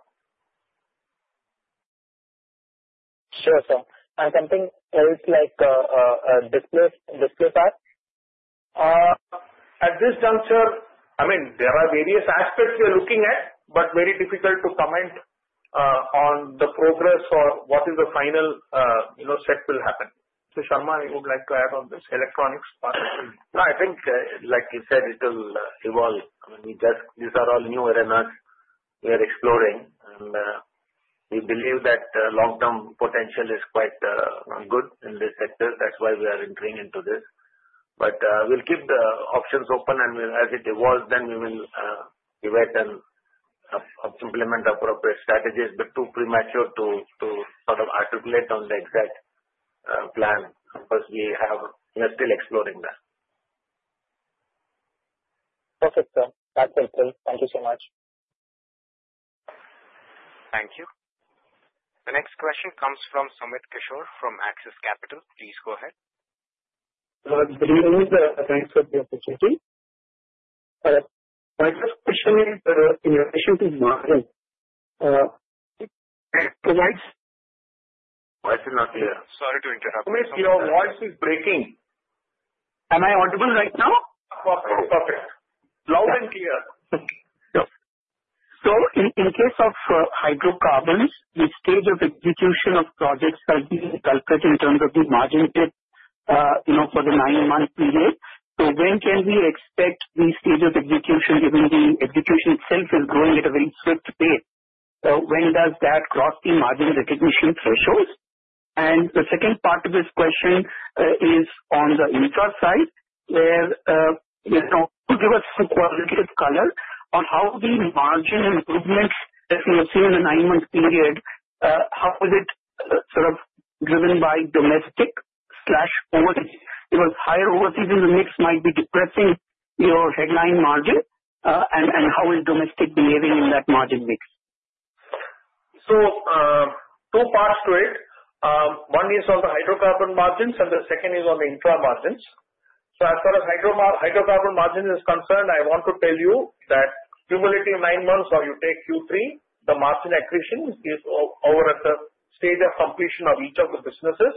Sure, sir. And something else like display fab? At this juncture, I mean, there are various aspects we are looking at, but very difficult to comment on the progress or what is the final step will happen. Sarma, you would like to add on this electronics part? No, I think, like you said, it will evolve. I mean, these are all new arenas we are exploring, and we believe that long-term potential is quite good in this sector. That's why we are entering into this. But we'll keep the options open, and as it evolves, then we will pivot and implement appropriate strategies, but too premature to sort of articulate on the exact plan because we are still exploring that. Perfect, sir. That's helpful. Thank you so much. Thank you. The next question comes from Sumit Kishore from Axis Capital. Please go ahead. Good evening. Thanks for the opportunity. My first question is in relation to Voice is not clear. Sorry to interrupt. Sumit, your voice is breaking. Am I audible right now? Perfect. Loud and clear. In case of hydrocarbons, the stage of execution of projects has been calculated in terms of the margin mix for the nine-month period. When can we expect the stage of execution, given the execution itself is going at a very swift pace? When does that cross the margin recognition thresholds? And the second part of this question is on the infra side, where could you give us some qualitative color on how the margin improvements that we have seen in the nine-month period, how is it sort of driven by domestic overseas? Because higher overseas in the mix might be depressing your headline margin, and how is domestic behaving in that margin mix? So two parts to it. One is on the hydrocarbon margins, and the second is on the infra margins. So as far as hydrocarbon margins are concerned, I want to tell you that cumulative nine months or you take Q3, the margin accretion is over at the stage of completion of each of the businesses.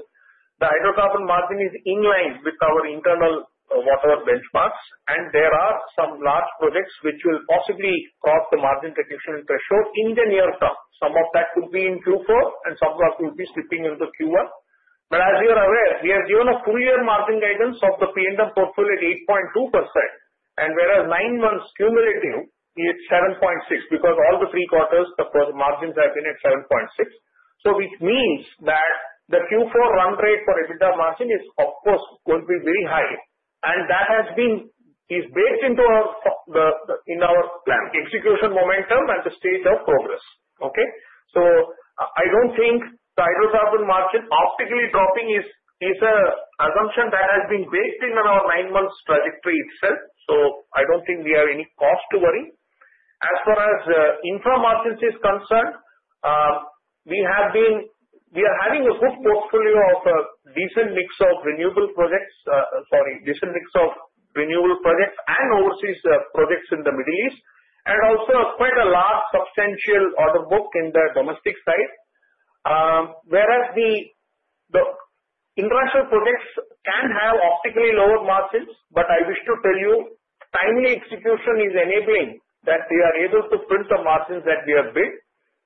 The hydrocarbon margin is in line with our internal target benchmarks, and there are some large projects which will possibly cross the margin recognition threshold in the near term. Some of that could be in Q4, and some of that could be slipping into Q1. But as you are aware, we have given a full-year margin guidance of the P&M portfolio at 8.2%, and whereas nine months cumulative, it's 7.6% because all the three quarters, the margins have been at 7.6%. So which means that the Q4 run rate for EBITDA margin is, of course, going to be very high, and that has been baked into our plan, execution momentum, and the stage of progress. Okay? So I don't think the hydrocarbon margin optically dropping is an assumption that has been baked in our nine-month trajectory itself. So I don't think we have any cause to worry. As far as infra margins are concerned, we are having a good portfolio of a decent mix of renewable projects, sorry, decent mix of renewable projects and overseas projects in the Middle East, and also quite a large substantial order book in the domestic side. Whereas the international projects can have optically lower margins, but I wish to tell you timely execution is enabling that we are able to print the margins that we have bid.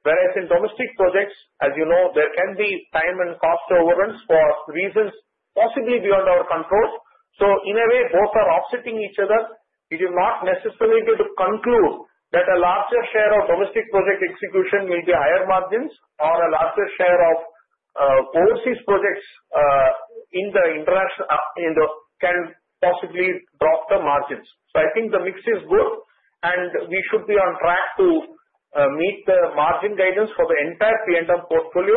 Whereas in domestic projects, as you know, there can be time and cost overruns for reasons possibly beyond our control. So in a way, both are offsetting each other. It is not necessary to conclude that a larger share of domestic project execution will be higher margins or a larger share of overseas projects in the international can possibly drop the margins. So I think the mix is good, and we should be on track to meet the margin guidance for the entire P&M portfolio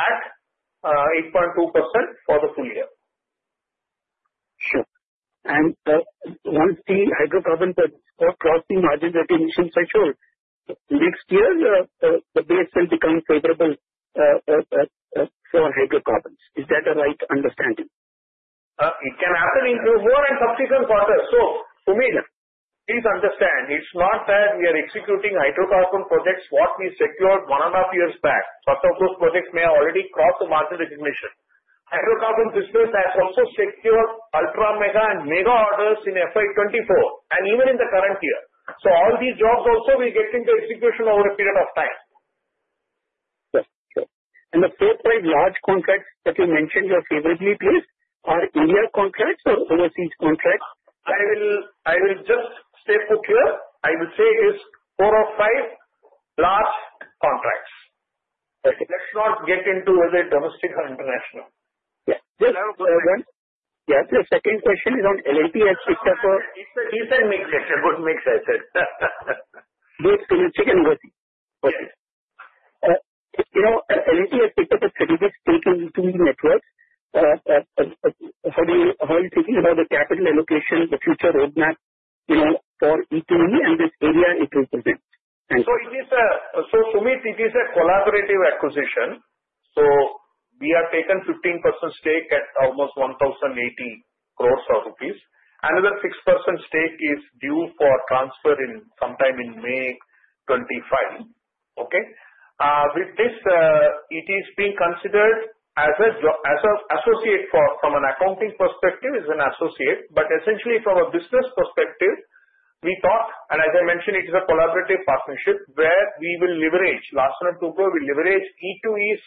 at 8.2% for the full year. Sure. And one thing, hydrocarbons are crossing margin recognition threshold. Next year, the base will become favorable for hydrocarbons. Is that the right understanding? It can happen in two more and subsequent quarters. So Sumit, please understand, it's not that we are executing hydrocarbon projects what we secured one and a half years back. Some of those projects may have already crossed the margin recognition. Hydrocarbon business has also secured ultra mega and mega orders in FY24 and even in the current year. So all these jobs also will get into execution over a period of time. Sure. Sure. The four large contracts that you mentioned here favorably, please, are India contracts or overseas contracts? I will just stay put here. I will say it is four or five large contracts. Let's not get into whether domestic or international. Yeah. Just one second. The second question is on L&T, as pictured for. It's a decent mix. It's a good mix, I said. L&T has picked up a significant stake in E2E Networks. How are you thinking about the capital allocation, the future roadmap for E2E and this area it will present? So, Sumit, it is a collaborative acquisition. We have taken a 15% stake at almost 1,080 crores rupees. Another 6% stake is due for transfer sometime in May 2025. Okay? With this, it is being considered as an associate from an accounting perspective, it's an associate, but essentially from a business perspective, we thought, and as I mentioned, it is a collaborative partnership where we will leverage, Larsen & Toubro will leverage E2E's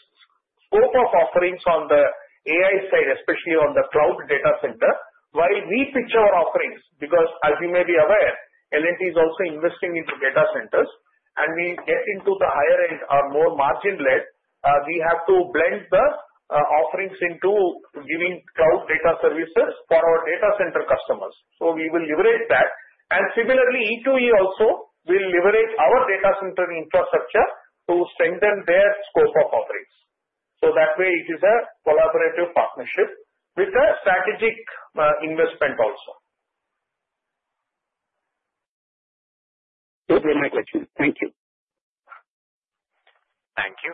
scope of offerings on the AI side, especially on the cloud data center, while we pitch our offerings. Because as you may be aware, L&T is also investing into data centers, and we get into the higher-end or more margin-led. We have to blend the offerings into giving cloud data services for our data center customers. We will leverage that. And similarly, E2E also will leverage our data center infrastructure to strengthen their scope of offerings. So that way, it is a collaborative partnership with a strategic investment also. Those were my questions. Thank you. Thank you.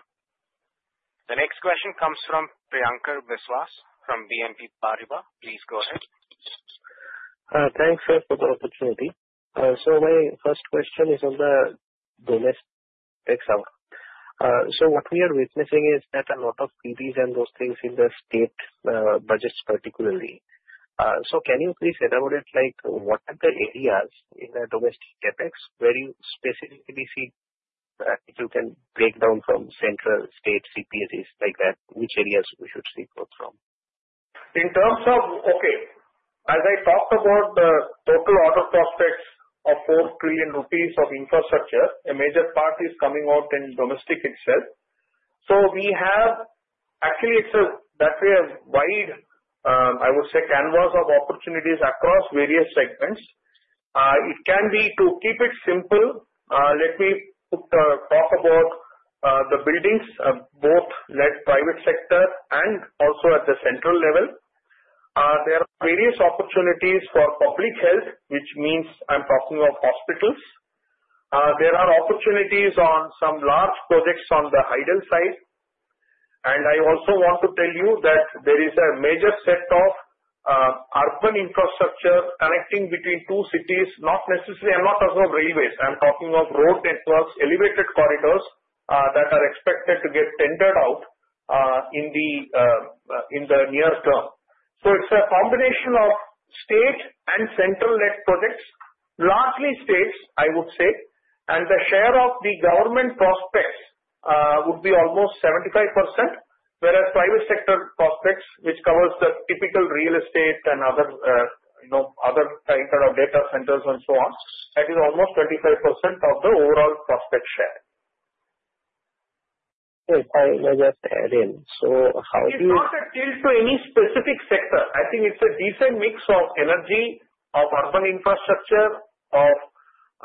The next question comes from Priyankar Biswas from BNP Paribas. Please go ahead. Thanks, sir, for the opportunity. My first question is on the domestic infra. What we are witnessing is that a lot of CPSUs and those things in the state budgets particularly. Can you please elaborate what are the areas in the domestic CapEx where you specifically see that you can break down from central, state, CPSUs, things like that? Which areas we should see coming from? In terms of, okay, as I talked about the total order prospects of 4 trillion rupees of infrastructure, a major part is coming out in domestic itself. So we have actually, it's a that way a wide, I would say, canvas of opportunities across various segments. It can be to keep it simple. Let me talk about the buildings, both led private sector and also at the central level. There are various opportunities for public health, which means I'm talking of hospitals. There are opportunities on some large projects on the hydel side. I also want to tell you that there is a major set of urban infrastructure connecting between two cities, not necessarily and not as of railways. I'm talking of road networks, elevated corridors that are expected to get tendered out in the near term. So it's a combination of state and central-led projects, largely states, I would say, and the share of the government prospects would be almost 75%, whereas private sector prospects, which covers the typical real estate and other kind of data centers and so on, that is almost 25% of the overall prospect share. Sorry, may I just add in? So how do you - It doesn't appeal to any specific sector. I think it's a decent mix of energy, of urban infrastructure, of,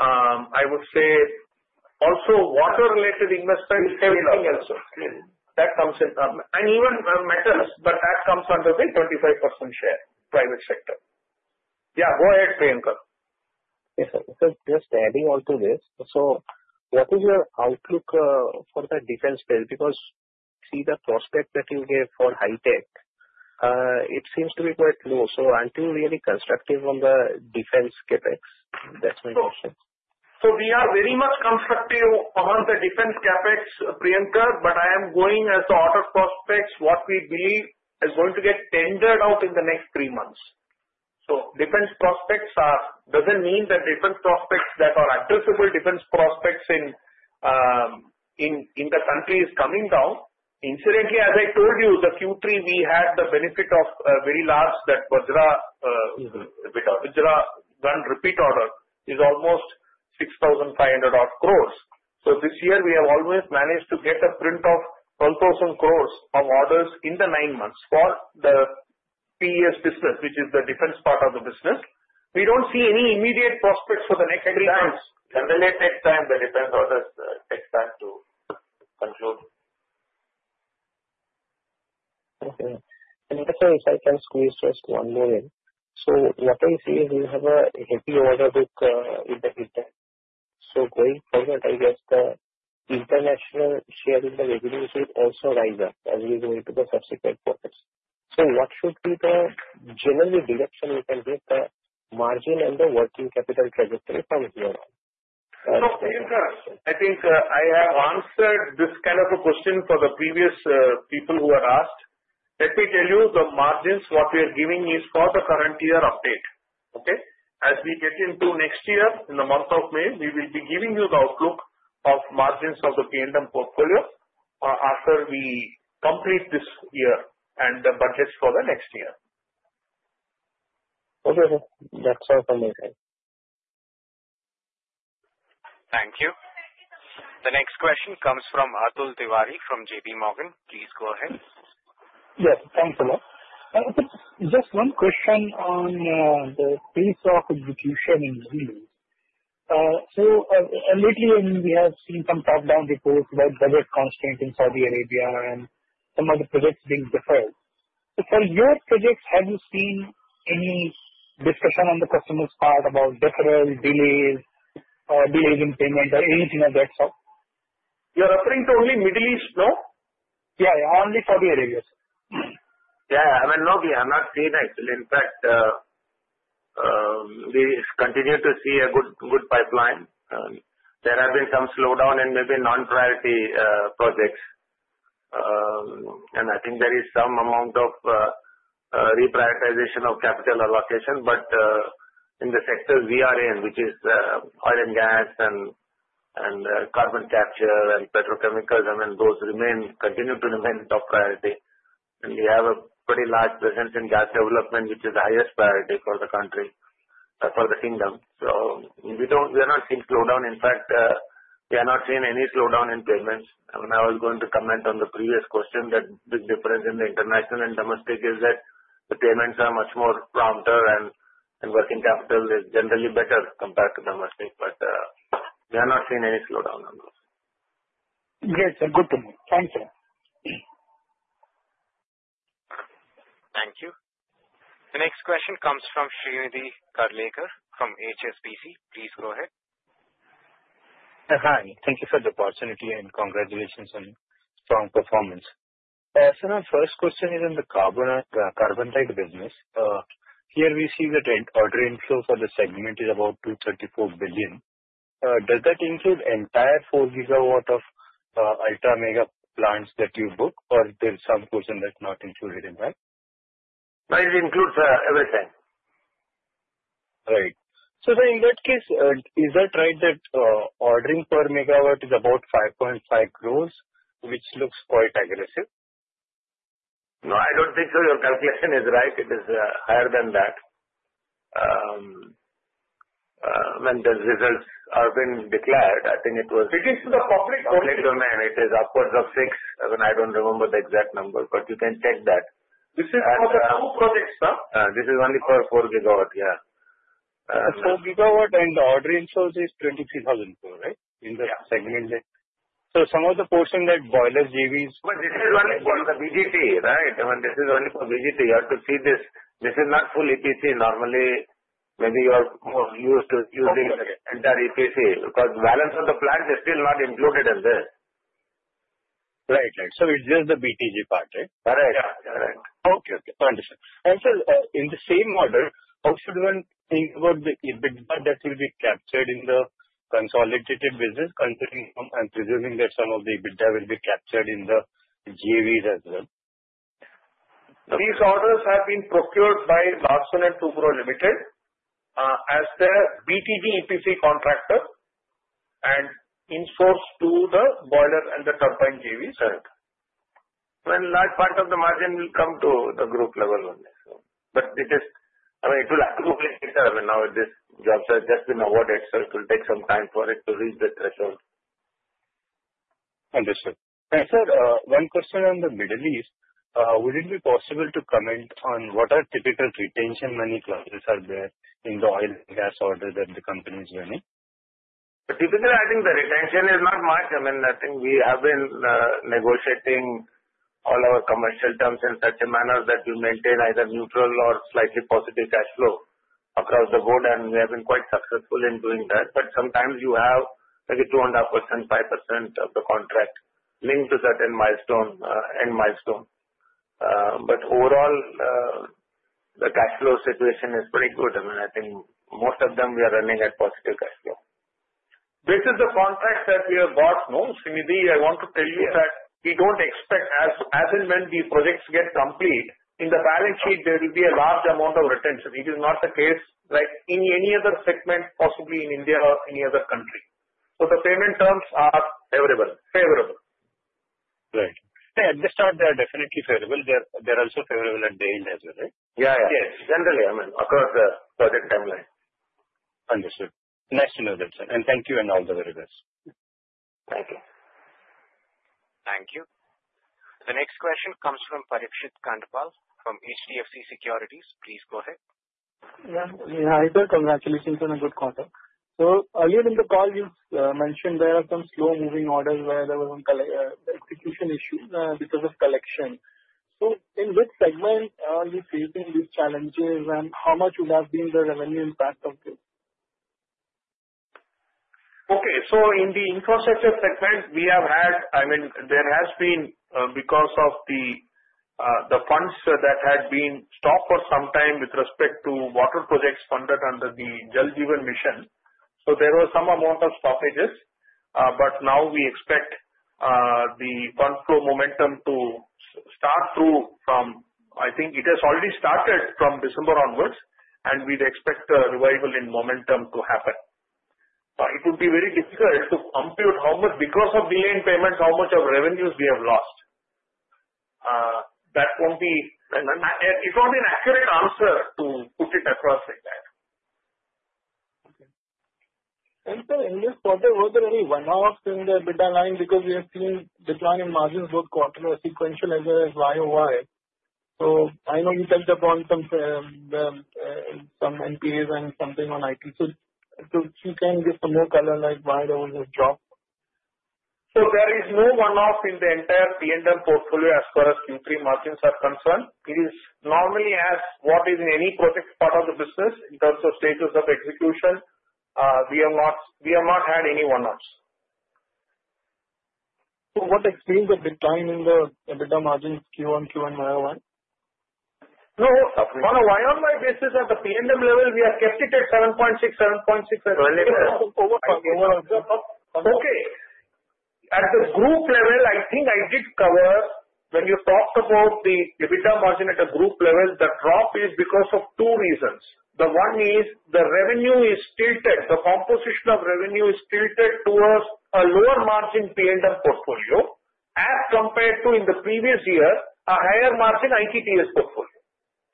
I would say, also water-related investments. That comes in and even metals, but that comes under the 25% share, private sector. Yeah, go ahead, Priyankar. Yes, sir. Just adding on to this, so what is your outlook for the defense space? Because see the prospect that you gave for high tech, it seems to be quite low. So aren't you really constructive on the defense CapEx? That's my question. So we are very much constructive on the defense CapEx, Priyankar, but I am going as the order prospects, what we believe is going to get tendered out in the next three months. So defense prospects doesn't mean that defense prospects that are addressable defense prospects in the country is coming down. Incidentally, as I told you, the Q3, we had the benefit of very large that Vajra repeat order is almost 6,500 crores. So this year, we have always managed to get a print of 12,000 crores of orders in the nine months for the PES business, which is the defense part of the business. We don't see any immediate prospects for the next three months. Generally, it takes time. The defense orders take time to conclude. Okay. And actually, if I can squeeze just one more in. So what I see is you have a heavy order book in the building. So going forward, I guess the international share in the revenues will also rise up as we go into the subsequent quarters. So what should be the general direction we can give the margin and the working capital trajectory from here on? So Priyankar, I think I have answered this kind of a question for the previous people who were asked. Let me tell you, the margins what we are giving is for the current year update. Okay? As we get into next year, in the month of May, we will be giving you the outlook of margins of the P&M portfolio after we complete this year and the budgets for the next year. Okay. That's all from my side. Thank you. The next question comes from Atul Tiwari from J.P. Morgan. Please go ahead. Yes. Thanks, sir. Just one question on the pace of execution in deals. So lately, we have seen some top-down reports about budget constraints in Saudi Arabia and some of the projects being deferred. So for your projects, have you seen any discussion on the customer's part about deferral, delays, delays in payment, or anything of that sort? You're referring to only Middle East, no? Yeah, only Saudi Arabia. Yeah. I mean, no, we have not seen actually. In fact, we continue to see a good pipeline. There have been some slowdown in maybe non-priority projects. And I think there is some amount of reprioritization of capital allocation. But in the sectors we are in, which is oil and gas and carbon capture and petrochemicals, I mean, those continue to remain top priority. And we have a pretty large presence in gas development, which is the highest priority for the country, for the Kingdom. So we are not seeing slowdown. In fact, we are not seeing any slowdown in payments. I mean, I was going to comment on the previous question that the difference in the international and domestic is that the payments are much more prompt and working capital is generally better compared to domestic. But we are not seeing any slowdown on those. Yes. Good to know. Thank you. Thank you. The next question comes from Shrinidhi Karlekar from HSBC. Please go ahead. Hi. Thank you for the opportunity and congratulations on strong performance. Sir, my first question is on the Power business. Here we see that order inflow for the segment is about 234 billion. Does that include entire 4 gigawatt of ultra mega plants that you book, or there's some portion that's not included in that? It includes everything. Right. So in that case, is that right that ordering per megawatt is about 5.5 crores, which looks quite aggressive? No, I don't think so. Your calculation is right. It is higher than that. When the results have been declared, I think it was. It is in the public domain. Public domain. It is upwards of six. I mean, I don't remember the exact number, but you can check that. This is for the two projects, sir. This is only for four gigawatts. Yeah. The 4 gigawatt and the order book shows is 23,000 crore, right, in the segment? Yeah. So, some of the portion that boiler's JVs. But this is only for the BTG, right? I mean, this is only for BTG. You have to see this. This is not full EPC. Normally, maybe you are used to using entire EPC because the balance of the plants is still not included in this. Right. Right. So it's just the BTG part, right? Correct. Okay. Okay. Understood, and sir, in the same order, how should one think about the EBITDA that will be captured in the consolidated business, considering that some of the EBITDA will be captured in the JVs as well? These orders have been procured by Larsen & Toubro Limited as the BTG EPC contractor and insourced to the boiler and the turbine JVs. Right. Large part of the margin will come to the group level only. It is, I mean, it will accumulate later. I mean, now this jobs have just been awarded, so it will take some time for it to reach the threshold. Understood. And sir, one question on the Middle East. Would it be possible to comment on what are typical retention money clauses are there in the oil and gas order that the company is running? Typically, I think the retention is not much. I mean, I think we have been negotiating all our commercial terms in such a manner that we maintain either neutral or slightly positive cash flow across the board. And we have been quite successful in doing that. But sometimes you have maybe 2.5%-5% of the contract linked to certain end milestone. But overall, the cash flow situation is pretty good. I mean, I think most of them we are running at positive cash flow. This is the contract that we have got, no? Shrinidhi, I want to tell you that we don't expect as and when the projects get complete, in the balance sheet, there will be a large amount of retention. It is not the case like in any other segment, possibly in India or any other country. So the payment terms are favorable. Right. And the stocks are definitely favorable. They're also favorable at the end as well, right? Yeah. Yes. Generally, I mean, across the project timeline. Understood. Nice to know that, sir. And thank you and all the very best. Thank you. Thank you. The next question comes from Parikshit Kandpal from HDFC Securities. Please go ahead. Yeah. Hi, sir. Congratulations on a good quarter. So earlier in the call, you mentioned there are some slow-moving orders where there was an execution issue because of collection. So in which segment are you facing these challenges, and how much would have been the revenue impact of this? Okay. So in the infrastructure segment, we have had, I mean, there has been because of the funds that had been stopped for some time with respect to water projects funded under the Jal Jeevan Mission. So there was some amount of stoppages. But now we expect the fund flow momentum to start through from, I think it has already started from December onwards, and we'd expect a revival in momentum to happen. It would be very difficult to compute how much, because of delay in payments, how much of revenues we have lost. That won't be an accurate answer to put it across like that. Okay. And sir, in this quarter, were there any one-offs in the EBITDA line because we have seen declining margins both quarterly, sequential, as well as YoY? So I know you touched upon some NPAs and something on IT. So if you can give some more color like why there was a drop. So there is no one-off in the entire P&M portfolio as far as Q3 margins are concerned. It is normally as what is in any project part of the business in terms of stages of execution. We have not had any one-offs. So what explains the decline in the EBITDA margins Q1, Q1, YoY? No. On a YoY basis at the P&L level, we have kept it at 7.6, 7.6. Okay. At the group level, I think I did cover when you talked about the EBITDA margin at the group level. The drop is because of two reasons. The one is the revenue is tilted. The composition of revenue is tilted towards a lower margin P&M portfolio as compared to, in the previous year, a higher margin LTTS portfolio.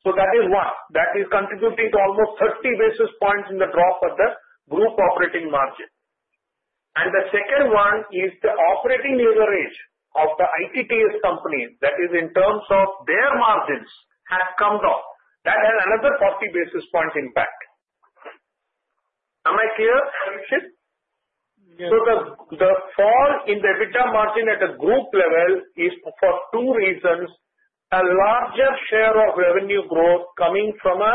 So that is one. That is contributing to almost 30 basis points in the drop of the group operating margin. And the second one is the operating leverage of the LTTS company, that is, in terms of their margins, has come down. That has another 40 basis points impact. Am I clear, Parikshit? Yes. The fall in the EBITDA margin at the group level is for two reasons: a larger share of revenue growth coming from a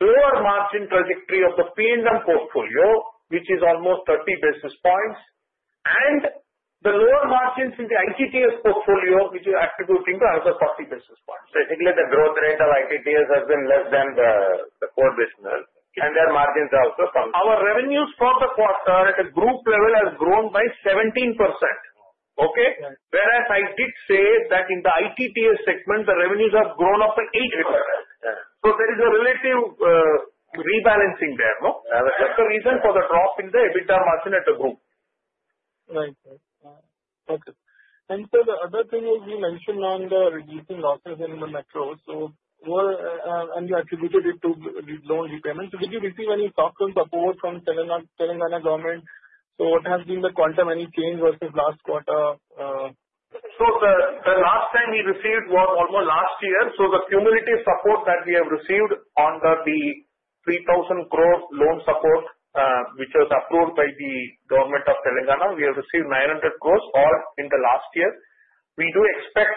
lower margin trajectory of the P&M portfolio, which is almost 30 basis points, and the lower margins in the LTTS portfolio, which is attributing to another 40 basis points. Basically, the growth rate of LTTS has been less than the core business, and their margins are also some. Our revenues for the quarter at the group level have grown by 17%. Okay? Whereas I did say that in the LTTS segment, the revenues have grown up to 8%. So there is a relative rebalancing there. That's the reason for the drop in the EBITDA margin at the group. Right. Okay. Sir, the other thing is you mentioned the reducing losses in the metro. You attributed it to loan repayments. Did you receive any sort of support from the Telangana government? So what has been the quantum? Any change versus last quarter? So the last time we received was almost last year. So the cumulative support that we have received under the 3,000 crore loan support, which was approved by the government of Telangana, we have received 900 crores all in the last year. We do expect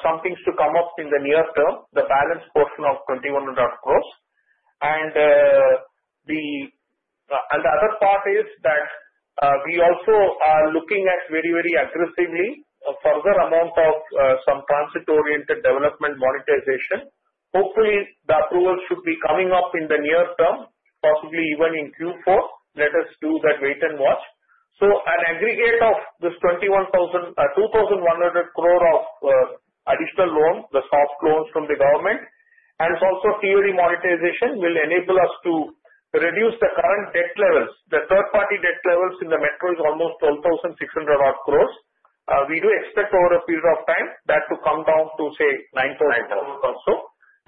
some things to come up in the near term, the balance portion of 2,100 crores. And the other part is that we also are looking at very, very aggressively a further amount of some transit-oriented development monetization. Hopefully, the approval should be coming up in the near term, possibly even in Q4. Let us do that wait and watch. So an aggregate of this 2,100 crore of additional loans, the soft loans from the government, and also TOD monetization will enable us to reduce the current debt levels. The third-party debt levels in the metro is almost 12,600 crores. We do expect over a period of time that to come down to, say, 9,000 also,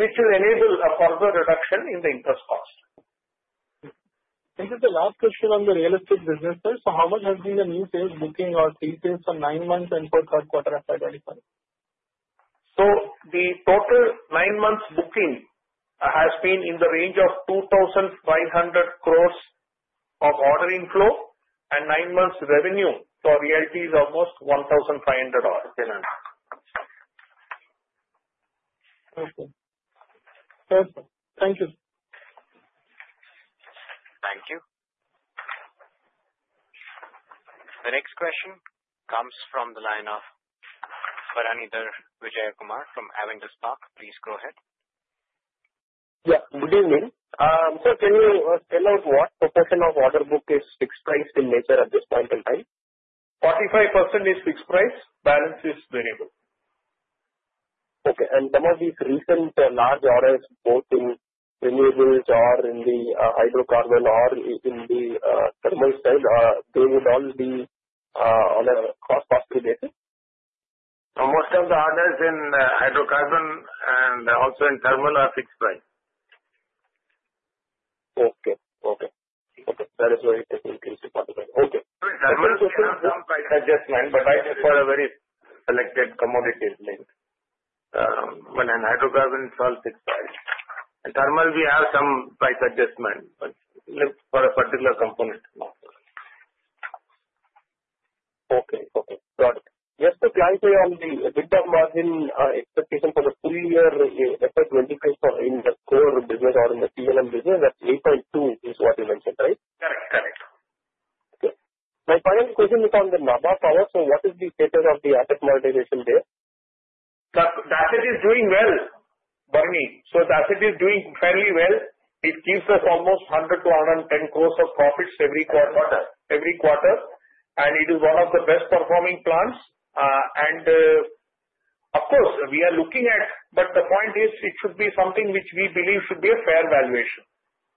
which will enable a further reduction in the interest cost. Sir, the last question on the Real Estate business. How much has been the new sales booking or sales for nine months and for third quarter aside? The total nine months booking has been in the range of 2,500 crores of ordering flow and nine months revenue. Realty is almost 1,500. Okay. Thank you. Thank you. The next question comes from the line of Bharanidhar Vijayakumar from Avendus Spark. Please go ahead. Yeah. Good evening. Sir, can you spell out what proportion of order book is fixed price in nature at this point in time? 45% is fixed price. Balance is variable. Okay. And some of these recent large orders, both in renewables or in the hydrocarbon or in the thermal coal, they would all be on a cost-plus basis? Most of the orders in hydrocarbon and also in thermal are fixed price. Okay. That is very technically specified. Okay. I mean, thermal is some price adjustment, but for a very selected commodity. I mean, hydrocarbon is all fixed price, and thermal, we have some price adjustment for a particular component. Okay. Got it. Yes, sir, can I say on the EBITDA margin expectation for the full year FY26 in the core business or in the P&M business, that's 8.2 is what you mentioned, right? Correct. Correct. Okay. My final question is on the Nabha Power. So what is the status of the asset monetization there? The asset is doing well, so the asset is doing fairly well. It gives us almost 100-110 crores of profits every quarter, and it is one of the best-performing plants, and of course, we are looking at, but the point is it should be something which we believe should be a fair valuation.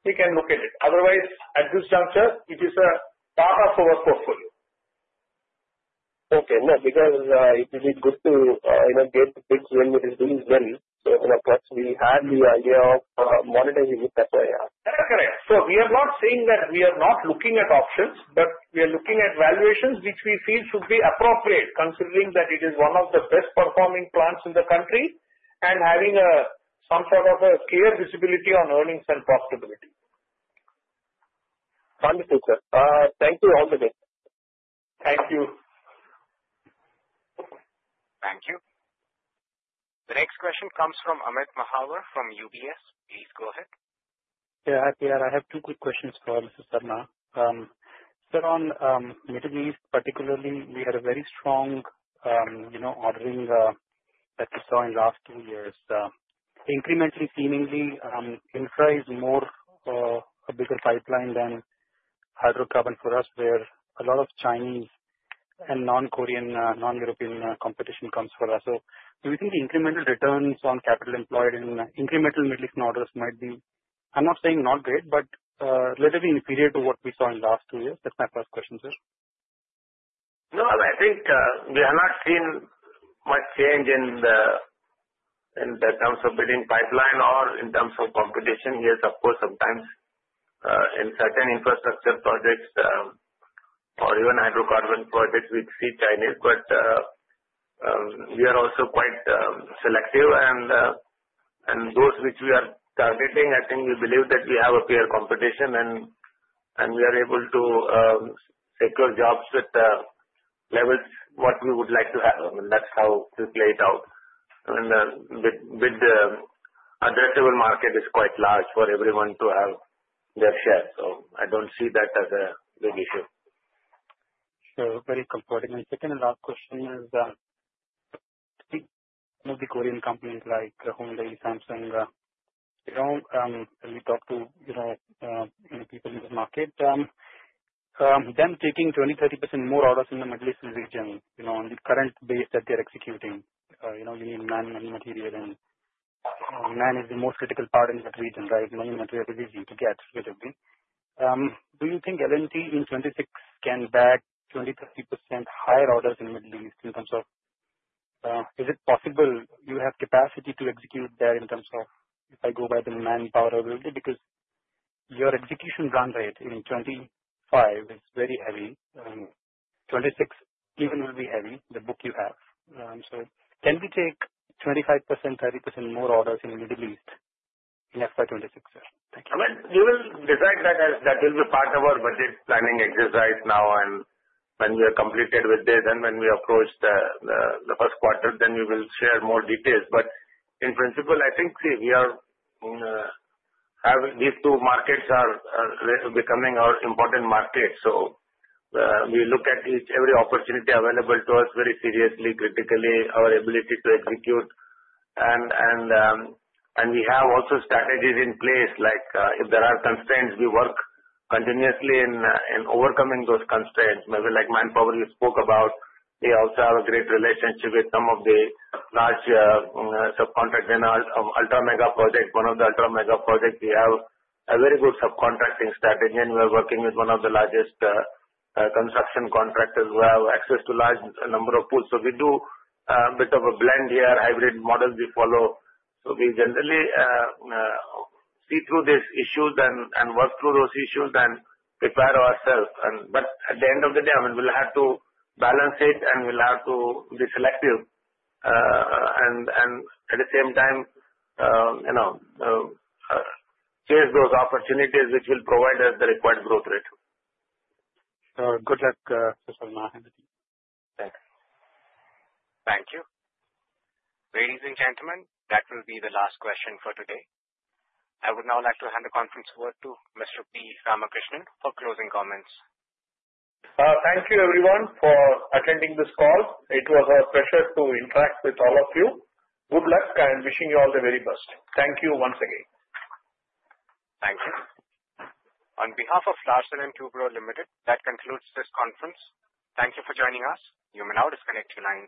We can look at it. Otherwise, at this juncture, it is a part of our portfolio. Okay. No, because it would be good to get the bids when it is doing well. So perhaps we had the idea of monetizing it that way. That is correct. So we are not saying that we are not looking at options, but we are looking at valuations which we feel should be appropriate, considering that it is one of the best-performing plants in the country and having some sort of a clear visibility on earnings and profitability. Understood, sir. Thank you. All the best. Thank you. Thank you. The next question comes from Amit Mahawar from UBS. Please go ahead. Yeah. I have two quick questions for Mr. Sarma. Sir, on Middle East, particularly, we had a very strong ordering that we saw in the last two years. Incrementally, seemingly, infra is more a bigger pipeline than hydrocarbon for us, where a lot of Chinese and non-Korean, non-European competition comes for us. So do you think the incremental returns on capital employed in incremental Middle Eastern orders might be. I'm not saying not great, but relatively inferior to what we saw in the last two years? That's my first question, sir. No. I think we have not seen much change in terms of bidding pipeline or in terms of competition. Yes, of course, sometimes in certain infrastructure projects or even hydrocarbon projects, we see Chinese. But we are also quite selective. And those which we are targeting, I think we believe that we have a fair competition, and we are able to secure jobs at the levels what we would like to have. I mean, that's how we play it out. I mean, the addressable market is quite large for everyone to have their share. So I don't see that as a big issue. Sure. Very comforting. And second and last question is some of the Korean companies like Hyundai, Samsung. We talk to people in the market. Them taking 20%-30% more orders in the Middle East region on the current base that they're executing, you need man and material, and man is the most critical part in that region, right? Man and material is easy to get relatively. Do you think L&T in 26 can back 20%-30% higher orders in the Middle East in terms of—is it possible you have capacity to execute there in terms of if I go by the manpower availability? Because your execution run rate in 25 is very heavy. 26 even will be heavy, the book you have. So can we take 25%-30% more orders in the Middle East in FY26? Thank you. I mean, we will decide that will be part of our budget planning exercise now. And when we are completed with this, and when we approach the first quarter, then we will share more details. But in principle, I think we are. These two markets are becoming our important market. So we look at each and every opportunity available to us very seriously, critically, our ability to execute. And we have also strategies in place. If there are constraints, we work continuously in overcoming those constraints. Maybe like manpower you spoke about, we also have a great relationship with some of the large subcontractors in our Ultra Mega project. One of the Ultra Mega projects, we have a very good subcontracting strategy. And we are working with one of the largest construction contractors. We have access to a large number of pools. So we do a bit of a blend here, hybrid model we follow. So we generally see through these issues and work through those issues and prepare ourselves. But at the end of the day, I mean, we'll have to balance it, and we'll have to be selective. And at the same time, chase those opportunities which will provide us the required growth rate. Good luck, Mr. Subramanian. Thanks. Thank you. Ladies and gentlemen, that will be the last question for today. I would now like to hand the conference over to Mr. P. Ramakrishnan for closing comments. Thank you, everyone, for attending this call. It was a pleasure to interact with all of you. Good luck and wishing you all the very best. Thank you once again. Thank you. On behalf of Larsen & Toubro Limited, that concludes this conference. Thank you for joining us. You may now disconnect your line.